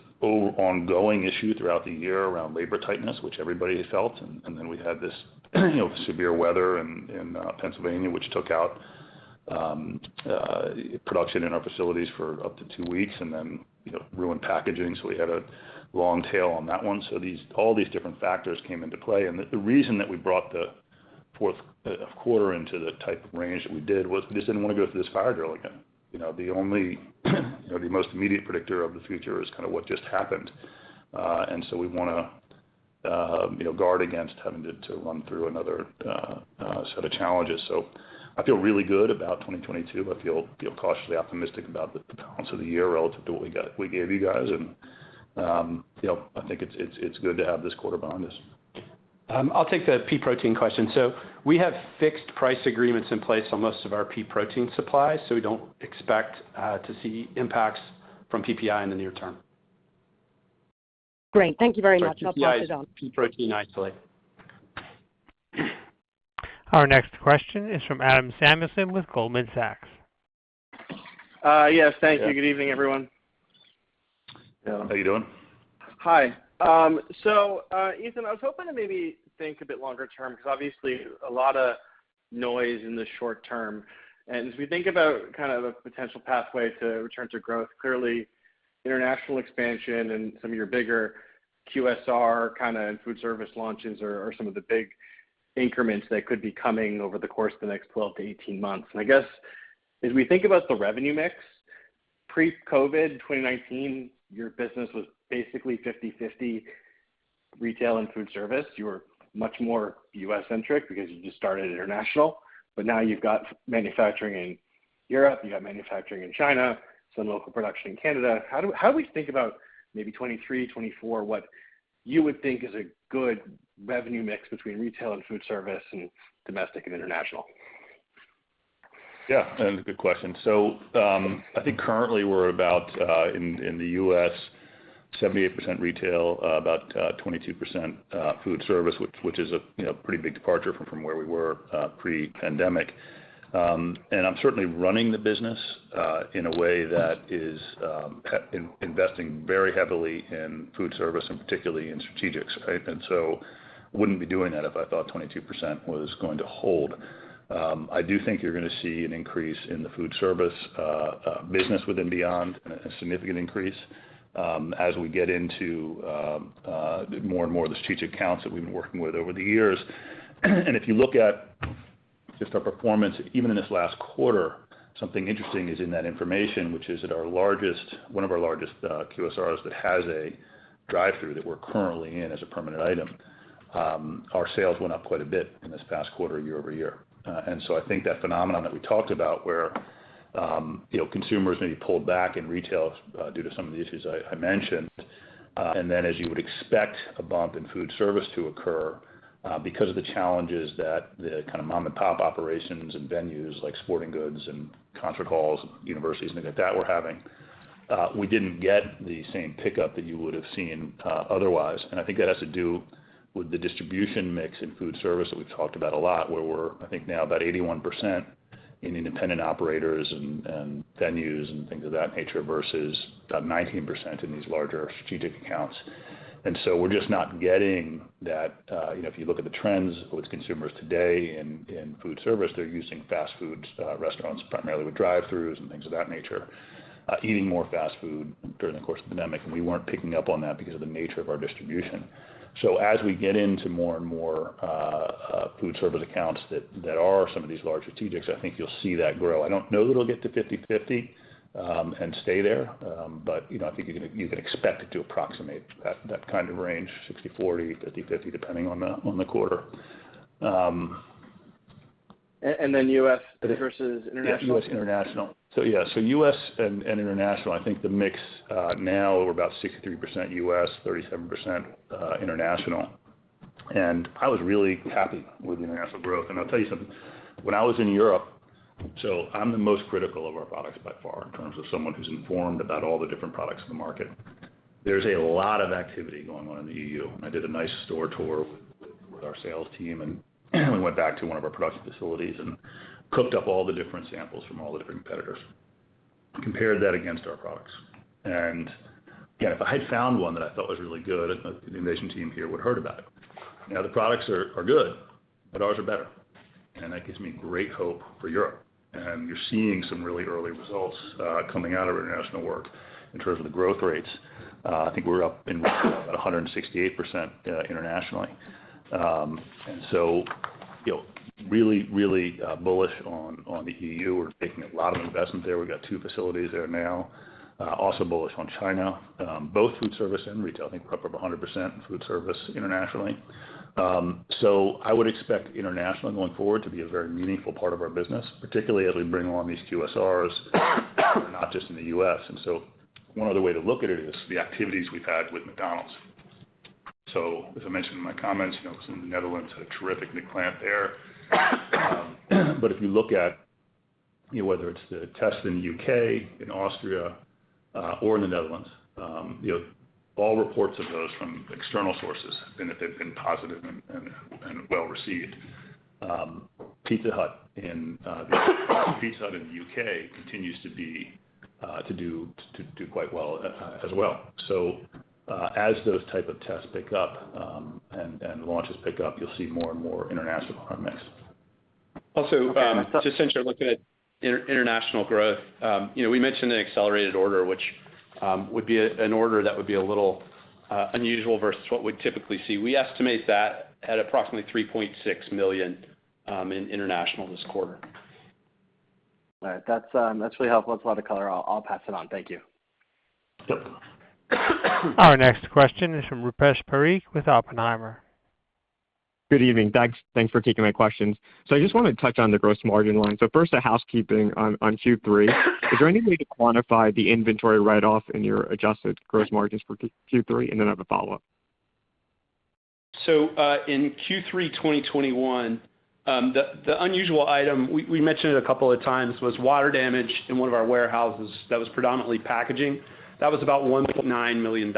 ongoing issue throughout the year around labor tightness, which everybody has felt. Then we had this, you know, severe weather in Pennsylvania, which took out production in our facilities for up to two weeks and then, you know, ruined packaging, so we had a long tail on that one. All these different factors came into play. The reason that we brought the fourth quarter into the type of range that we did was we just didn't want to go through this fire drill again. You know, the only, you know, the most immediate predictor of the future is kind of what just happened. We wanna, you know, guard against having to run through another set of challenges. I feel really good about 2022. I feel cautiously optimistic about the balance of the year relative to what we gave you guys. You know, I think it's good to have this quarter behind us. I'll take the pea protein question. We have fixed price agreements in place on most of our pea protein supplies, so we don't expect to see impacts from PPI in the near term. Great. Thank you very much. I'll pass it on. Sorry, PPI is pea protein isolate. Our next question is from Adam Samuelson with Goldman Sachs. Yes, thank you. Yeah. Good evening, everyone. How you doing? Hi. Ethan, I was hoping to maybe think a bit longer term, because obviously a lot of noise in the short term. As we think about kind of a potential pathway to return to growth, clearly international expansion and some of your bigger QSR kinda and food service launches are some of the big increments that could be coming over the course of the next 12 to 18 months. I guess as we think about the revenue mix, pre-COVID, 2019, your business was basically 50/50 retail and food service. You were much more U.S.-centric because you just started international. Now you've got manufacturing in Europe, you've got manufacturing in China, some local production in Canada. How do we think about maybe 2023, 2024, what you would think is a good revenue mix between retail and food service and domestic and international? Yeah, that's a good question. I think currently we're about in the US, 78% retail, about 22% food service, which is a you know, pretty big departure from where we were pre-pandemic. I'm certainly running the business in a way that is investing very heavily in food service and particularly in strategics, right? Wouldn't be doing that if I thought 22% was going to hold. I do think you're gonna see an increase in the food service business with Beyond, a significant increase, as we get into more and more of the strategic accounts that we've been working with over the years. If you look at just our performance, even in this last quarter, something interesting is in that information, which is that one of our largest QSRs that has a drive-through that we're currently in as a permanent item, our sales went up quite a bit in this past quarter year-over-year. I think that phenomenon that we talked about where, you know, consumers maybe pulled back in retail due to some of the issues I mentioned, and then as you would expect a bump in food service to occur because of the challenges that the kind of mom and pop operations and venues like sporting goods and concert halls, universities, and things like that were having, we didn't get the same pickup that you would have seen otherwise. I think that has to do with the distribution mix in food service that we've talked about a lot, where we're I think now about 81% in independent operators and venues and things of that nature versus about 19% in these larger strategic accounts. We're just not getting that. You know, if you look at the trends with consumers today in food service, they're using fast food restaurants primarily with drive-throughs and things of that nature, eating more fast food during the course of the pandemic, and we weren't picking up on that because of the nature of our distribution. As we get into more and more food service accounts that are some of these large strategics, I think you'll see that grow. I don't know that it'll get to 50/50 and stay there. You know, I think you can expect it to approximate that kind of range, 60/40, 50/50, depending on the quarter. US versus international? U.S., international. U.S. and international, I think the mix now we're about 63% U.S., 37% international. I was really happy with the international growth. I'll tell you something. When I was in Europe, I'm the most critical of our products by far in terms of someone who's informed about all the different products in the market. There's a lot of activity going on in the EU, and I did a nice store tour with our sales team, and we went back to one of our production facilities and cooked up all the different samples from all the different competitors, compared that against our products. Again, if I had found one that I thought was really good, the innovation team here would've heard about it. Now, the products are good, but ours are better, and that gives me great hope for Europe. You're seeing some really early results coming out of our international work in terms of the growth rates. I think we're up 168% internationally. You know, really bullish on the EU. We're making a lot of investment there. We've got two facilities there now. Also bullish on China, both food service and retail. I think we're up over 100% in food service internationally. I would expect international going forward to be a very meaningful part of our business, particularly as we bring on these QSRs, not just in the U.S. One other way to look at it is the activities we've had with McDonald's. As I mentioned in my comments, you know, some in the Netherlands had a terrific new plant there. But if you look at, you know, whether it's the test in the U.K., in Austria, or in the Netherlands, you know, all reports of those from external sources have been that they've been positive and well-received. Pizza Hut in the U.K. continues to do quite well, as well. As those type of tests pick up, and the launches pick up, you'll see more and more international on our mix. Just since you're looking at international growth, you know, we mentioned the accelerated order, which would be an order that would be a little unusual versus what we'd typically see. We estimate that at approximately $3.6 million in international this quarter. All right. That's, that's really helpful. That's a lot of color. I'll pass it on. Thank you. Yep. Our next question is from Rupesh Parikh with Oppenheimer. Good evening. Thanks for taking my questions. I just wanna touch on the gross margin line. First, a housekeeping on Q3. Is there any way to quantify the inventory write-off in your adjusted gross margins for Q3? Then I have a follow-up. In Q3 2021, the unusual item we mentioned a couple of times was water damage in one of our warehouses that was predominantly packaging. That was about $1.9 million.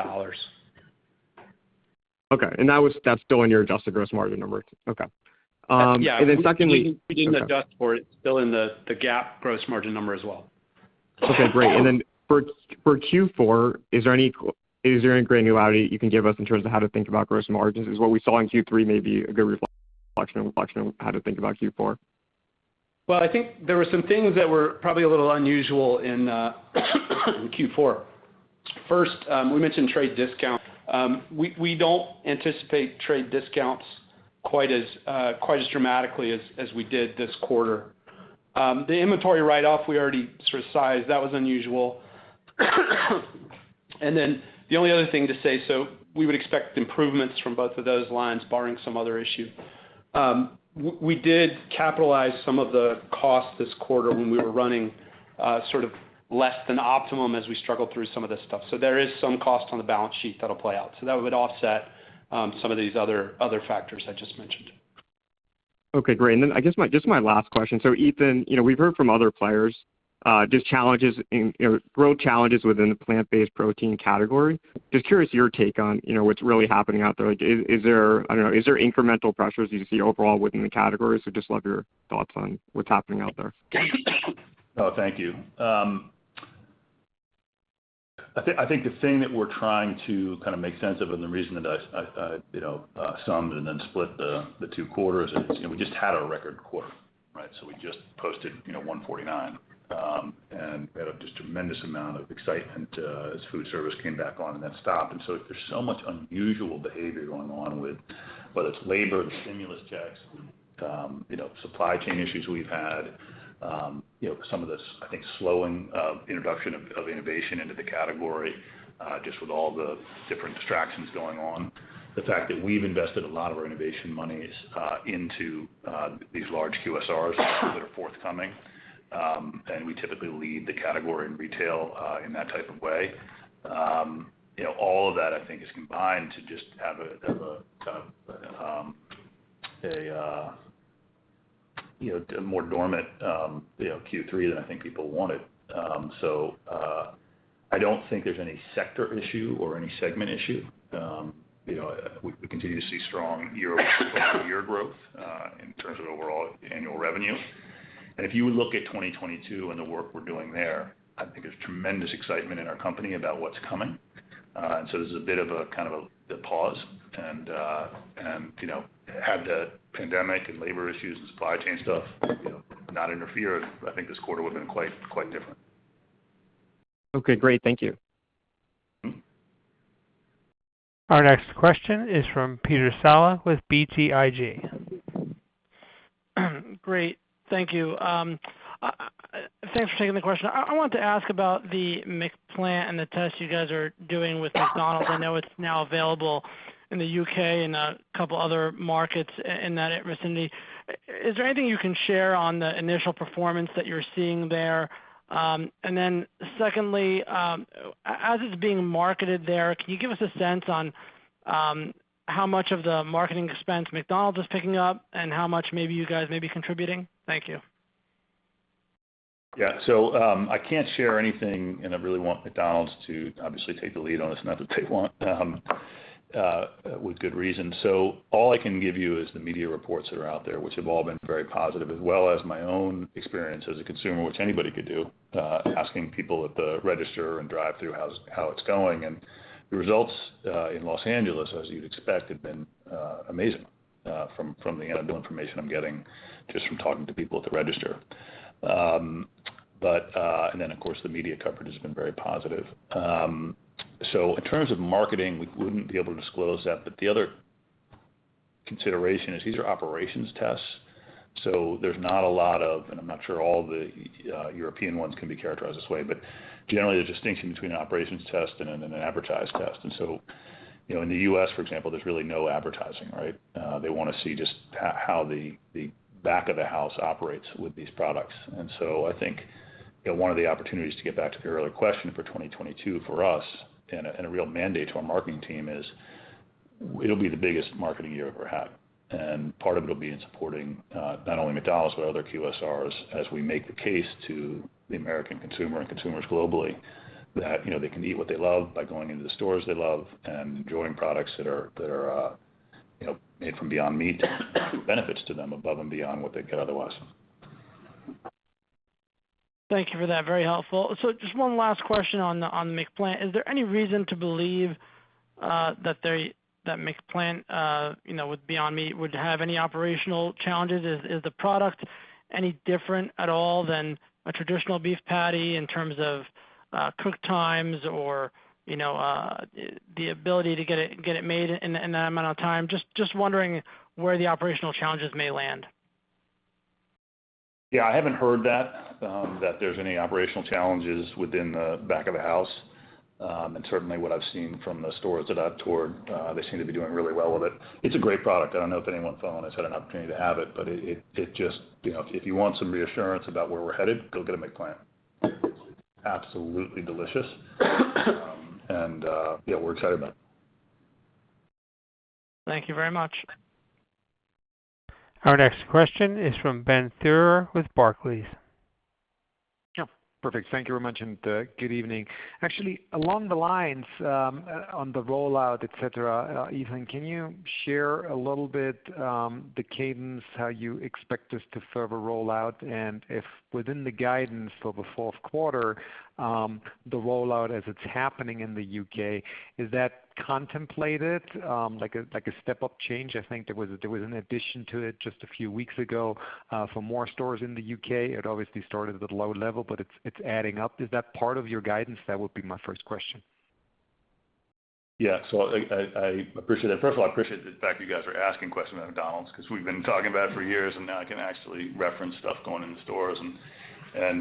Okay. That's still in your adjusted gross margin number? Okay. Then secondly- Yeah. We didn't adjust for it. It's still in the GAAP gross margin number as well. Okay, great. For Q4, is there any granularity you can give us in terms of how to think about gross margins? Is what we saw in Q3 maybe a good reflection on how to think about Q4? Well, I think there were some things that were probably a little unusual in Q4. First, we mentioned trade discounts. We don't anticipate trade discounts quite as dramatically as we did this quarter. The inventory write-off, we already sort of sized. That was unusual. The only other thing to say, we would expect improvements from both of those lines barring some other issue. We did capitalize some of the costs this quarter when we were running sort of less than optimum as we struggled through some of this stuff. There is some cost on the balance sheet that'll play out. That would offset some of these other factors I just mentioned. Okay, great. Then I guess my, just my last question. Ethan, you know, we've heard from other players, just challenges in, you know, growth challenges within the plant-based protein category. Just curious, your take on, you know, what's really happening out there. Like, is there, I don't know, is there incremental pressures you see overall within the category? Just love your thoughts on what's happening out there. Thank you. I think the thing that we're trying to kind of make sense of and the reason that I, you know, summed and then split the two quarters is, you know, we just had a record quarter, right? We just posted, you know, $149 million, and we had a just tremendous amount of excitement, as food service came back on and then stopped. There's so much unusual behavior going on with whether it's labor, the stimulus checks, you know, supply chain issues we've had, you know, some of the – I think, slowing of introduction of innovation into the category, just with all the different distractions going on. The fact that we've invested a lot of our innovation monies into these large QSRs that are forthcoming, and we typically lead the category in retail in that type of way. You know, all of that I think is combined to just have a kind of more dormant Q3 than I think people wanted. So, I don't think there's any sector issue or any segment issue. You know, we continue to see strong year-over-year growth in terms of overall annual revenue. If you look at 2022 and the work we're doing there, I think there's tremendous excitement in our company about what's coming. There's a bit of a kind of a pause, and you know, had the pandemic and labor issues and supply chain stuff not interfere, I think this quarter would have been quite different. Okay, great. Thank you. Mm-hmm. Our next question is from Peter Saleh with BTIG. Great, thank you. Thanks for taking the question. I want to ask about the McPlant and the test you guys are doing with McDonald's. I know it's now available in the U.K. and a couple other markets in that vicinity. Is there anything you can share on the initial performance that you're seeing there? And then secondly, as it's being marketed there, can you give us a sense on how much of the marketing expense McDonald's is picking up and how much maybe you guys may be contributing? Thank you. Yeah. I can't share anything, and I really want McDonald's to obviously take the lead on this, not that they want, with good reason. All I can give you is the media reports that are out there, which have all been very positive, as well as my own experience as a consumer, which anybody could do, asking people at the register and drive-thru how it's going. The results in Los Angeles, as you'd expect, have been amazing, from the anecdotal information I'm getting just from talking to people at the register. Of course, the media coverage has been very positive. In terms of marketing, we wouldn't be able to disclose that. The other consideration is these are operations tests, so there's not a lot of, and I'm not sure all the European ones can be characterized this way. Generally, the distinction between an operations test and then an advertised test. You know, in the US, for example, there's really no advertising, right? They wanna see just how the back of the house operates with these products. I think, you know, one of the opportunities, to get back to your earlier question, for 2022 for us and a real mandate to our marketing team is it'll be the biggest marketing year ever had. Part of it will be in supporting not only McDonald's, but other QSRs as we make the case to the American consumer and consumers globally, that, you know, they can eat what they love by going into the stores they love and enjoying products that are, you know, made from Beyond Meat benefits to them above and beyond what they'd get otherwise. Thank you for that. Very helpful. Just one last question on McPlant. Is there any reason to believe that McPlant, you know, with Beyond Meat would have any operational challenges? Is the product any different at all than a traditional beef patty in terms of cook times or you know the ability to get it made in that amount of time? Just wondering where the operational challenges may land. Yeah, I haven't heard that there's any operational challenges within the back of the house. Certainly what I've seen from the stores that I've toured, they seem to be doing really well with it. It's a great product. I don't know if anyone on the phone has had an opportunity to have it, but it just you know, if you want some reassurance about where we're headed, go get a McPlant. Absolutely delicious. Yeah, we're excited about it. Thank you very much. Our next question is from Benjamin Theurer with Barclays. Yeah. Perfect. Thank you very much, and, good evening. Actually, along the lines, on the rollout, et cetera, Ethan, can you share a little bit, the cadence, how you expect this to further roll out? If within the guidance for the fourth quarter, the rollout as it's happening in the U.K., is that contemplated, like a step-up change? I think there was an addition to it just a few weeks ago, for more stores in the U.K. It obviously started at low level, but it's adding up. Is that part of your guidance? That would be my first question. Yeah. I appreciate it. First of all, I appreciate the fact you guys are asking questions on McDonald's, 'cause we've been talking about it for years, and now I can actually reference stuff going in the stores. You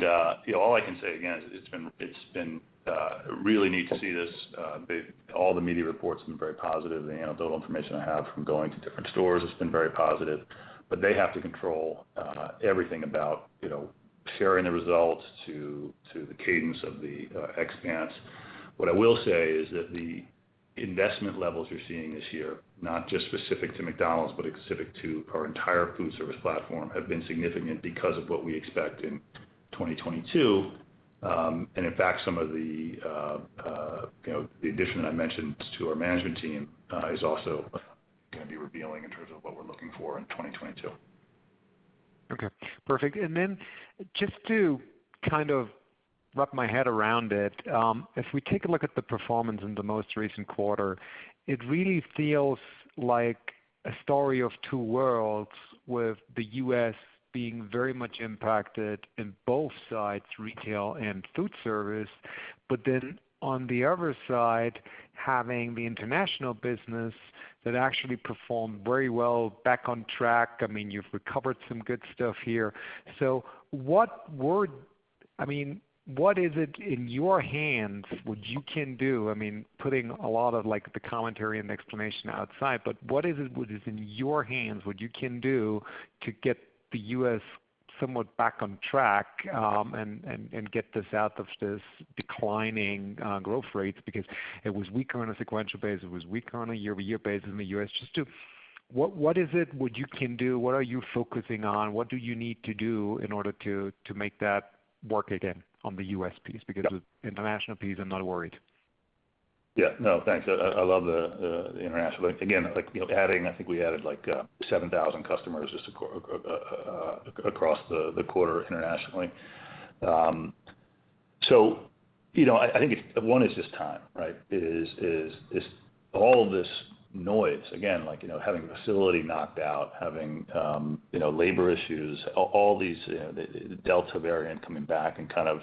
know, all I can say again is it's been really neat to see this. All the media reports have been very positive. The anecdotal information I have from going to different stores has been very positive. But they have to control everything about, you know, sharing the results to the cadence of the expansion. What I will say is that the investment levels you're seeing this year, not just specific to McDonald's, but specific to our entire food service platform, have been significant because of what we expect in 2022. In fact, some of the, you know, the addition I mentioned to our management team is also gonna be revealing in terms of what we're looking for in 2022. Okay. Perfect. Just to kind of wrap my head around it, if we take a look at the performance in the most recent quarter, it really feels like. A story of two worlds with the U.S. being very much impacted in both sides, retail and food service. On the other side, having the international business that actually performed very well back on track. I mean, you've recovered some good stuff here. I mean, what is it in your hands, what you can do, I mean, putting a lot of like the commentary and explanation outside, but what is it, what is in your hands, what you can do to get the U.S. somewhat back on track, and get this out of this declining growth rates because it was weaker on a sequential basis, it was weaker on a year-over-year basis in the U.S. What is it, what you can do? What are you focusing on? What do you need to do in order to make that work again on the U.S. piece? Yeah. Because the international piece, I'm not worried. Yeah. No, thanks. I love the international. Again, like, you know, adding, I think we added like, 7,000 customers just across the quarter internationally. So, you know, I think it. One is just time, right? Is all of this noise, again, like, you know, having a facility knocked out, having, you know, labor issues, all these, the Delta variant coming back and kind of.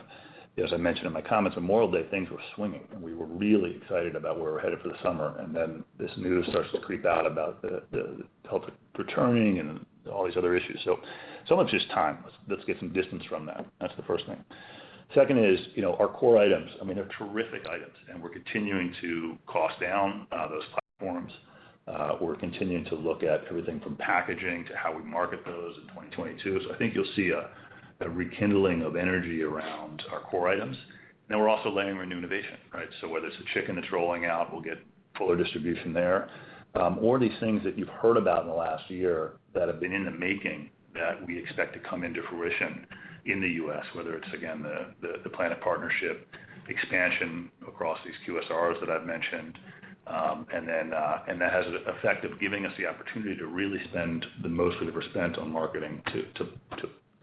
As I mentioned in my comments, on Memorial Day, things were swinging, and we were really excited about where we're headed for the summer, and then this news starts to creep out about the Delta returning and all these other issues. So much is time. Let's get some distance from that. That's the first thing. Second is, you know, our core items, I mean, they're terrific items, and we're continuing to cost down those platforms. We're continuing to look at everything from packaging to how we market those in 2022. I think you'll see a rekindling of energy around our core items. We're also landing our new innovation, right? Whether it's the chicken that's rolling out, we'll get fuller distribution there. Or these things that you've heard about in the last year that have been in the making that we expect to come into fruition in the U.S., whether it's, again, the PLANeT Partnership expansion across these QSRs that I've mentioned. That has the effect of giving us the opportunity to really spend the most we've ever spent on marketing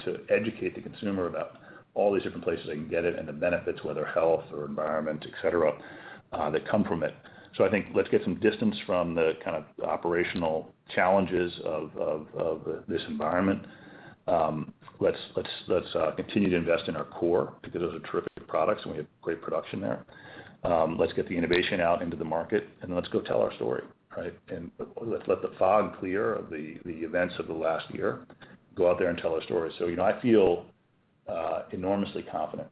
to educate the consumer about all these different places they can get it and the benefits, whether health or environment, et cetera, that come from it. I think let's get some distance from the kind of operational challenges of this environment. Let's continue to invest in our core because those are terrific products, and we have great production there. Let's get the innovation out into the market, and let's go tell our story, right? Let the fog clear of the events of the last year. Go out there and tell our story. You know, I feel enormously confident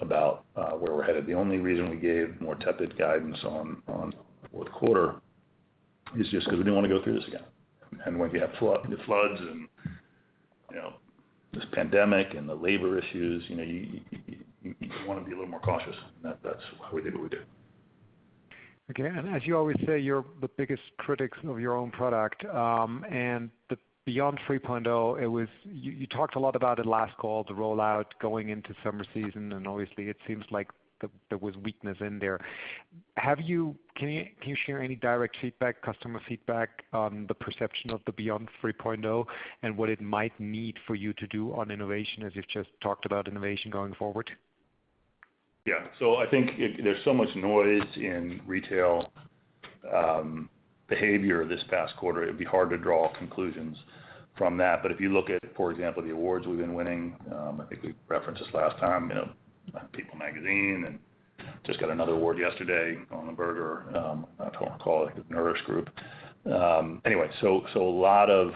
about where we're headed. The only reason we gave more tepid guidance on the fourth quarter is just because we didn't want to go through this again. When we have the floods and, you know, this pandemic and the labor issues, you know, you wanna be a little more cautious. That's why we did what we did. Okay. As you always say, you're the biggest critics of your own product. The Beyond 3.0, you talked a lot about it last call, the rollout going into summer season, and obviously it seems like there was weakness in there. Can you share any direct feedback, customer feedback on the perception of the Beyond 3.0 and what it might need for you to do on innovation, as you've just talked about innovation going forward? Yeah. I think there's so much noise in retail behavior this past quarter. It'd be hard to draw conclusions from that. If you look at, for example, the awards we've been winning, I think we referenced this last time, you know, People Magazine and just got another award yesterday on the burger, I don't want to call it the NRA. Anyway, a lot of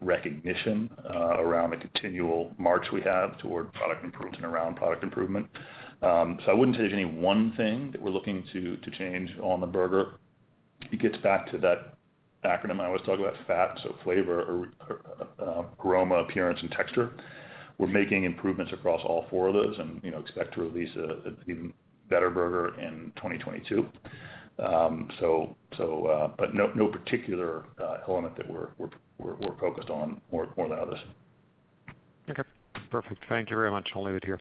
recognition around the continual march we have toward product improvement and around product improvement. I wouldn't say there's any one thing that we're looking to change on the burger. It gets back to that acronym I always talk about FAAT, so flavor, aroma, appearance, and texture. We're making improvements across all four of those and, you know, expect to release an even better burger in 2022. But no particular element that we're focused on more than others. Okay. Perfect. Thank you very much. I'll leave it here.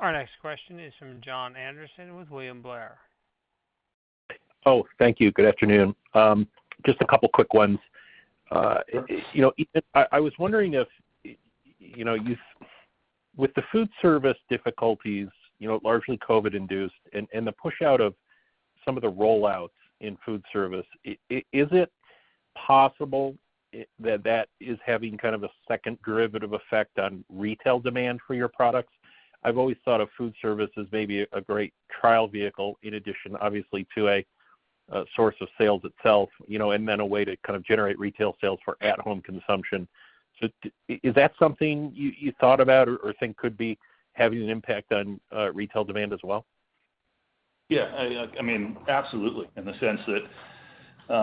Our next question is from Jon Andersen with William Blair. Oh, thank you. Good afternoon. Just a couple of quick ones. You know, Ethan, I was wondering if, you know, with the food service difficulties, you know, largely COVID-induced and the push out of some of the rollouts in food service, is it possible that that is having kind of a second derivative effect on retail demand for your products? I've always thought of food service as maybe a great trial vehicle in addition, obviously, to a source of sales itself, you know, and then a way to kind of generate retail sales for at home consumption. Is that something you thought about or think could be having an impact on retail demand as well? Yeah. I mean, absolutely, in the sense that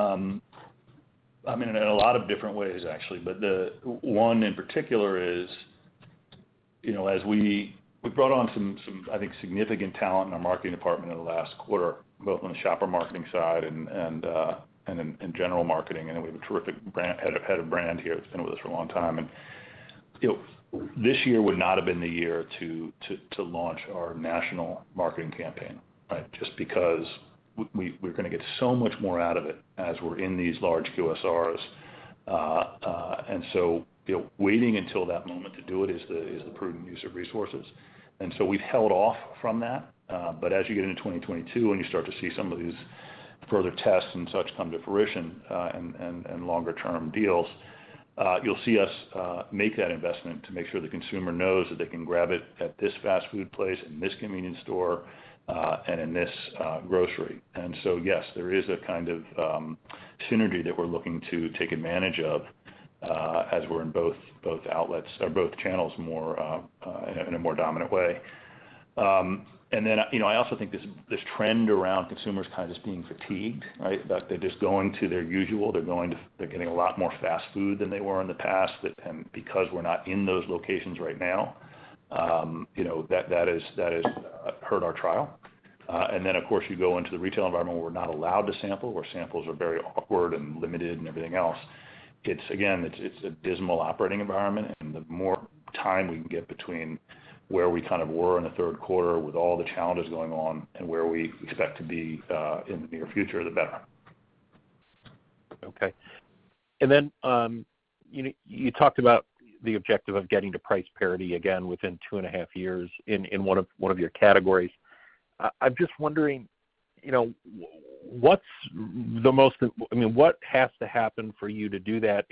I mean, in a lot of different ways, actually. The one in particular is, you know, as we brought on some, I think, significant talent in our marketing department in the last quarter, both on the shopper marketing side and in general marketing. We have a terrific head of brand here that's been with us for a long time. You know, this year would not have been the year to launch our national marketing campaign, right? Just because we're gonna get so much more out of it as we're in these large QSRs. You know, waiting until that moment to do it is the prudent use of resources. We've held off from that. as you get into 2022, and you start to see some of these further tests and such come to fruition, and longer term deals, you'll see us make that investment to make sure the consumer knows that they can grab it at this fast food place, in this convenience store, and in this grocery. Yes, there is a kind of synergy that we're looking to take advantage of, as we're in both outlets or both channels more, in a more dominant way. You know, I also think this trend around consumers kind of just being fatigued, right? That they're just going to their usual. They're getting a lot more fast food than they were in the past. That, because we're not in those locations right now, you know, that is hurt our trial. Of course, you go into the retail environment where we're not allowed to sample, where samples are very awkward and limited and everything else. It's again, a dismal operating environment, and the more time we can get between where we kind of were in the third quarter with all the challenges going on and where we expect to be in the near future, the better. Okay. Then you talked about the objective of getting to price parity again within 2.5 years in one of your categories. I'm just wondering, you know, what's I mean, what has to happen for you to do that?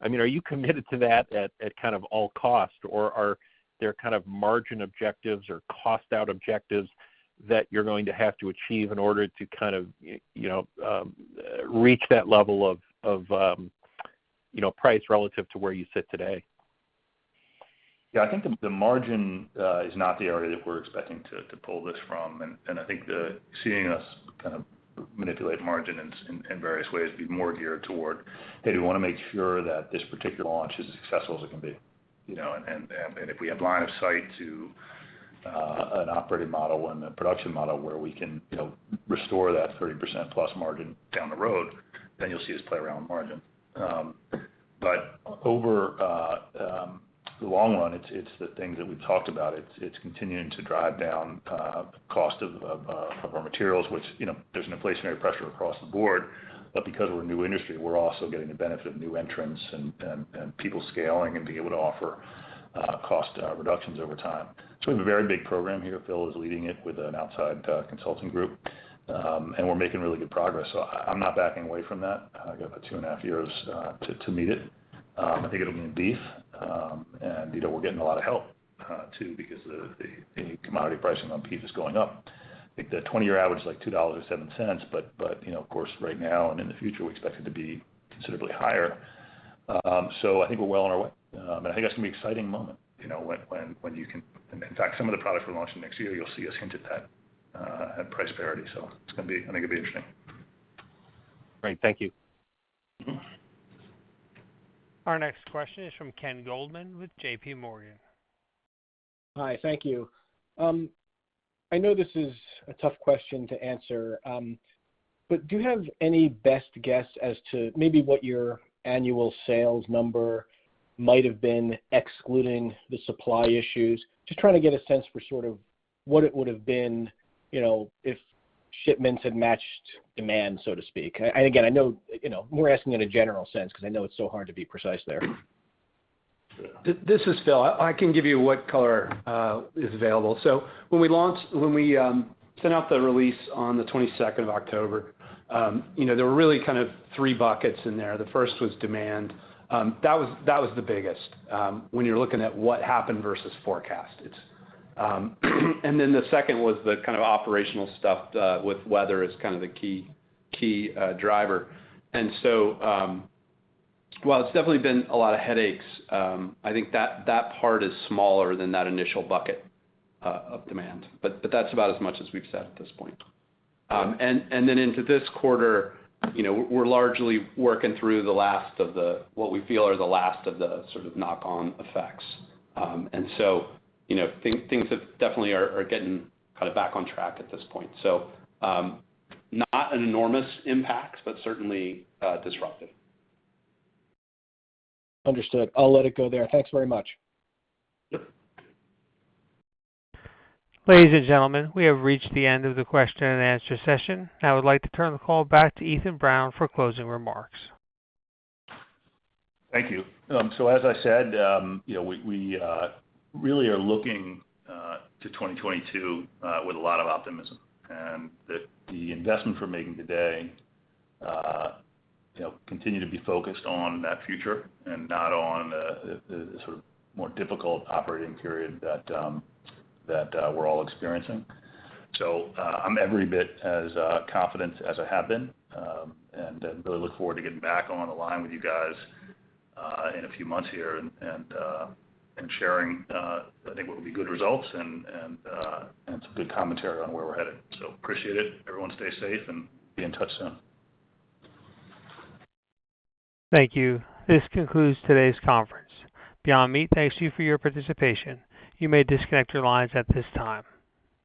I mean, are you committed to that at kind of all cost, or are there kind of margin objectives or cost out objectives that you're going to have to achieve in order to kind of you know, reach that level of price relative to where you sit today? Yeah. I think the margin is not the area that we're expecting to pull this from. I think seeing us kind of manipulate margin in various ways is more geared toward that we wanna make sure that this particular launch is as successful as it can be, you know. If we have line of sight to an operating model and a production model where we can, you know, restore that 30% plus margin down the road, then you'll see us play around with margin. But over the long run, it's the things that we've talked about. It's continuing to drive down cost of our materials, which, you know, there's an inflationary pressure across the board. Because we're a new industry, we're also getting the benefit of new entrants and people scaling and being able to offer cost reductions over time. We have a very big program here. Phil is leading it with an outside consulting group. We're making really good progress. I'm not backing away from that. I got about 2.5 years to meet it. I think it'll mean beef. You know, we're getting a lot of help too because the commodity pricing on beef is going up. I think the 20-year average is like $2.07, but you know, of course, right now and in the future, we expect it to be considerably higher. I think we're well on our way. I think that's gonna be an exciting moment, you know, when you can. In fact, some of the products we're launching next year, you'll see us hint at that at price parity. I think it'll be interesting. Great. Thank you. Mm-hmm. Our next question is from Ken Goldman with J.P. Morgan. Hi. Thank you. I know this is a tough question to answer, but do you have any best guess as to maybe what your annual sales number might have been excluding the supply issues? Just trying to get a sense for sort of what it would have been, you know, if shipments had matched demand, so to speak. Again, I know, you know, we're asking in a general sense because I know it's so hard to be precise there. This is Phil Hardin. I can give you what color is available. When we sent out the release on the 22nd of October, you know, there were really kind of three buckets in there. The first was demand. That was the biggest when you're looking at what happened versus forecasted. Then the second was the kind of operational stuff with weather as kind of the key driver. While it's definitely been a lot of headaches, I think that part is smaller than that initial bucket of demand. But that's about as much as we've said at this point. Then into this quarter, you know, we're largely working through the last of the what we feel are the last of the sort of knock-on effects. You know, things are getting kind of back on track at this point. Not an enormous impact, but certainly disruptive. Understood. I'll let it go there. Thanks very much. Yep. Ladies and gentlemen, we have reached the end of the question and answer session. I would like to turn the call back to Ethan Brown for closing remarks. Thank you. As I said, you know, we really are looking to 2022 with a lot of optimism. The investment we're making today, you know, continue to be focused on that future and not on the sort of more difficult operating period that we're all experiencing. I'm every bit as confident as I have been, and I really look forward to getting back on the line with you guys in a few months here and sharing, I think what will be good results and some good commentary on where we're headed. Appreciate it. Everyone stay safe and be in touch soon. Thank you. This concludes today's conference. Beyond Meat thanks you for your participation. You may disconnect your lines at this time.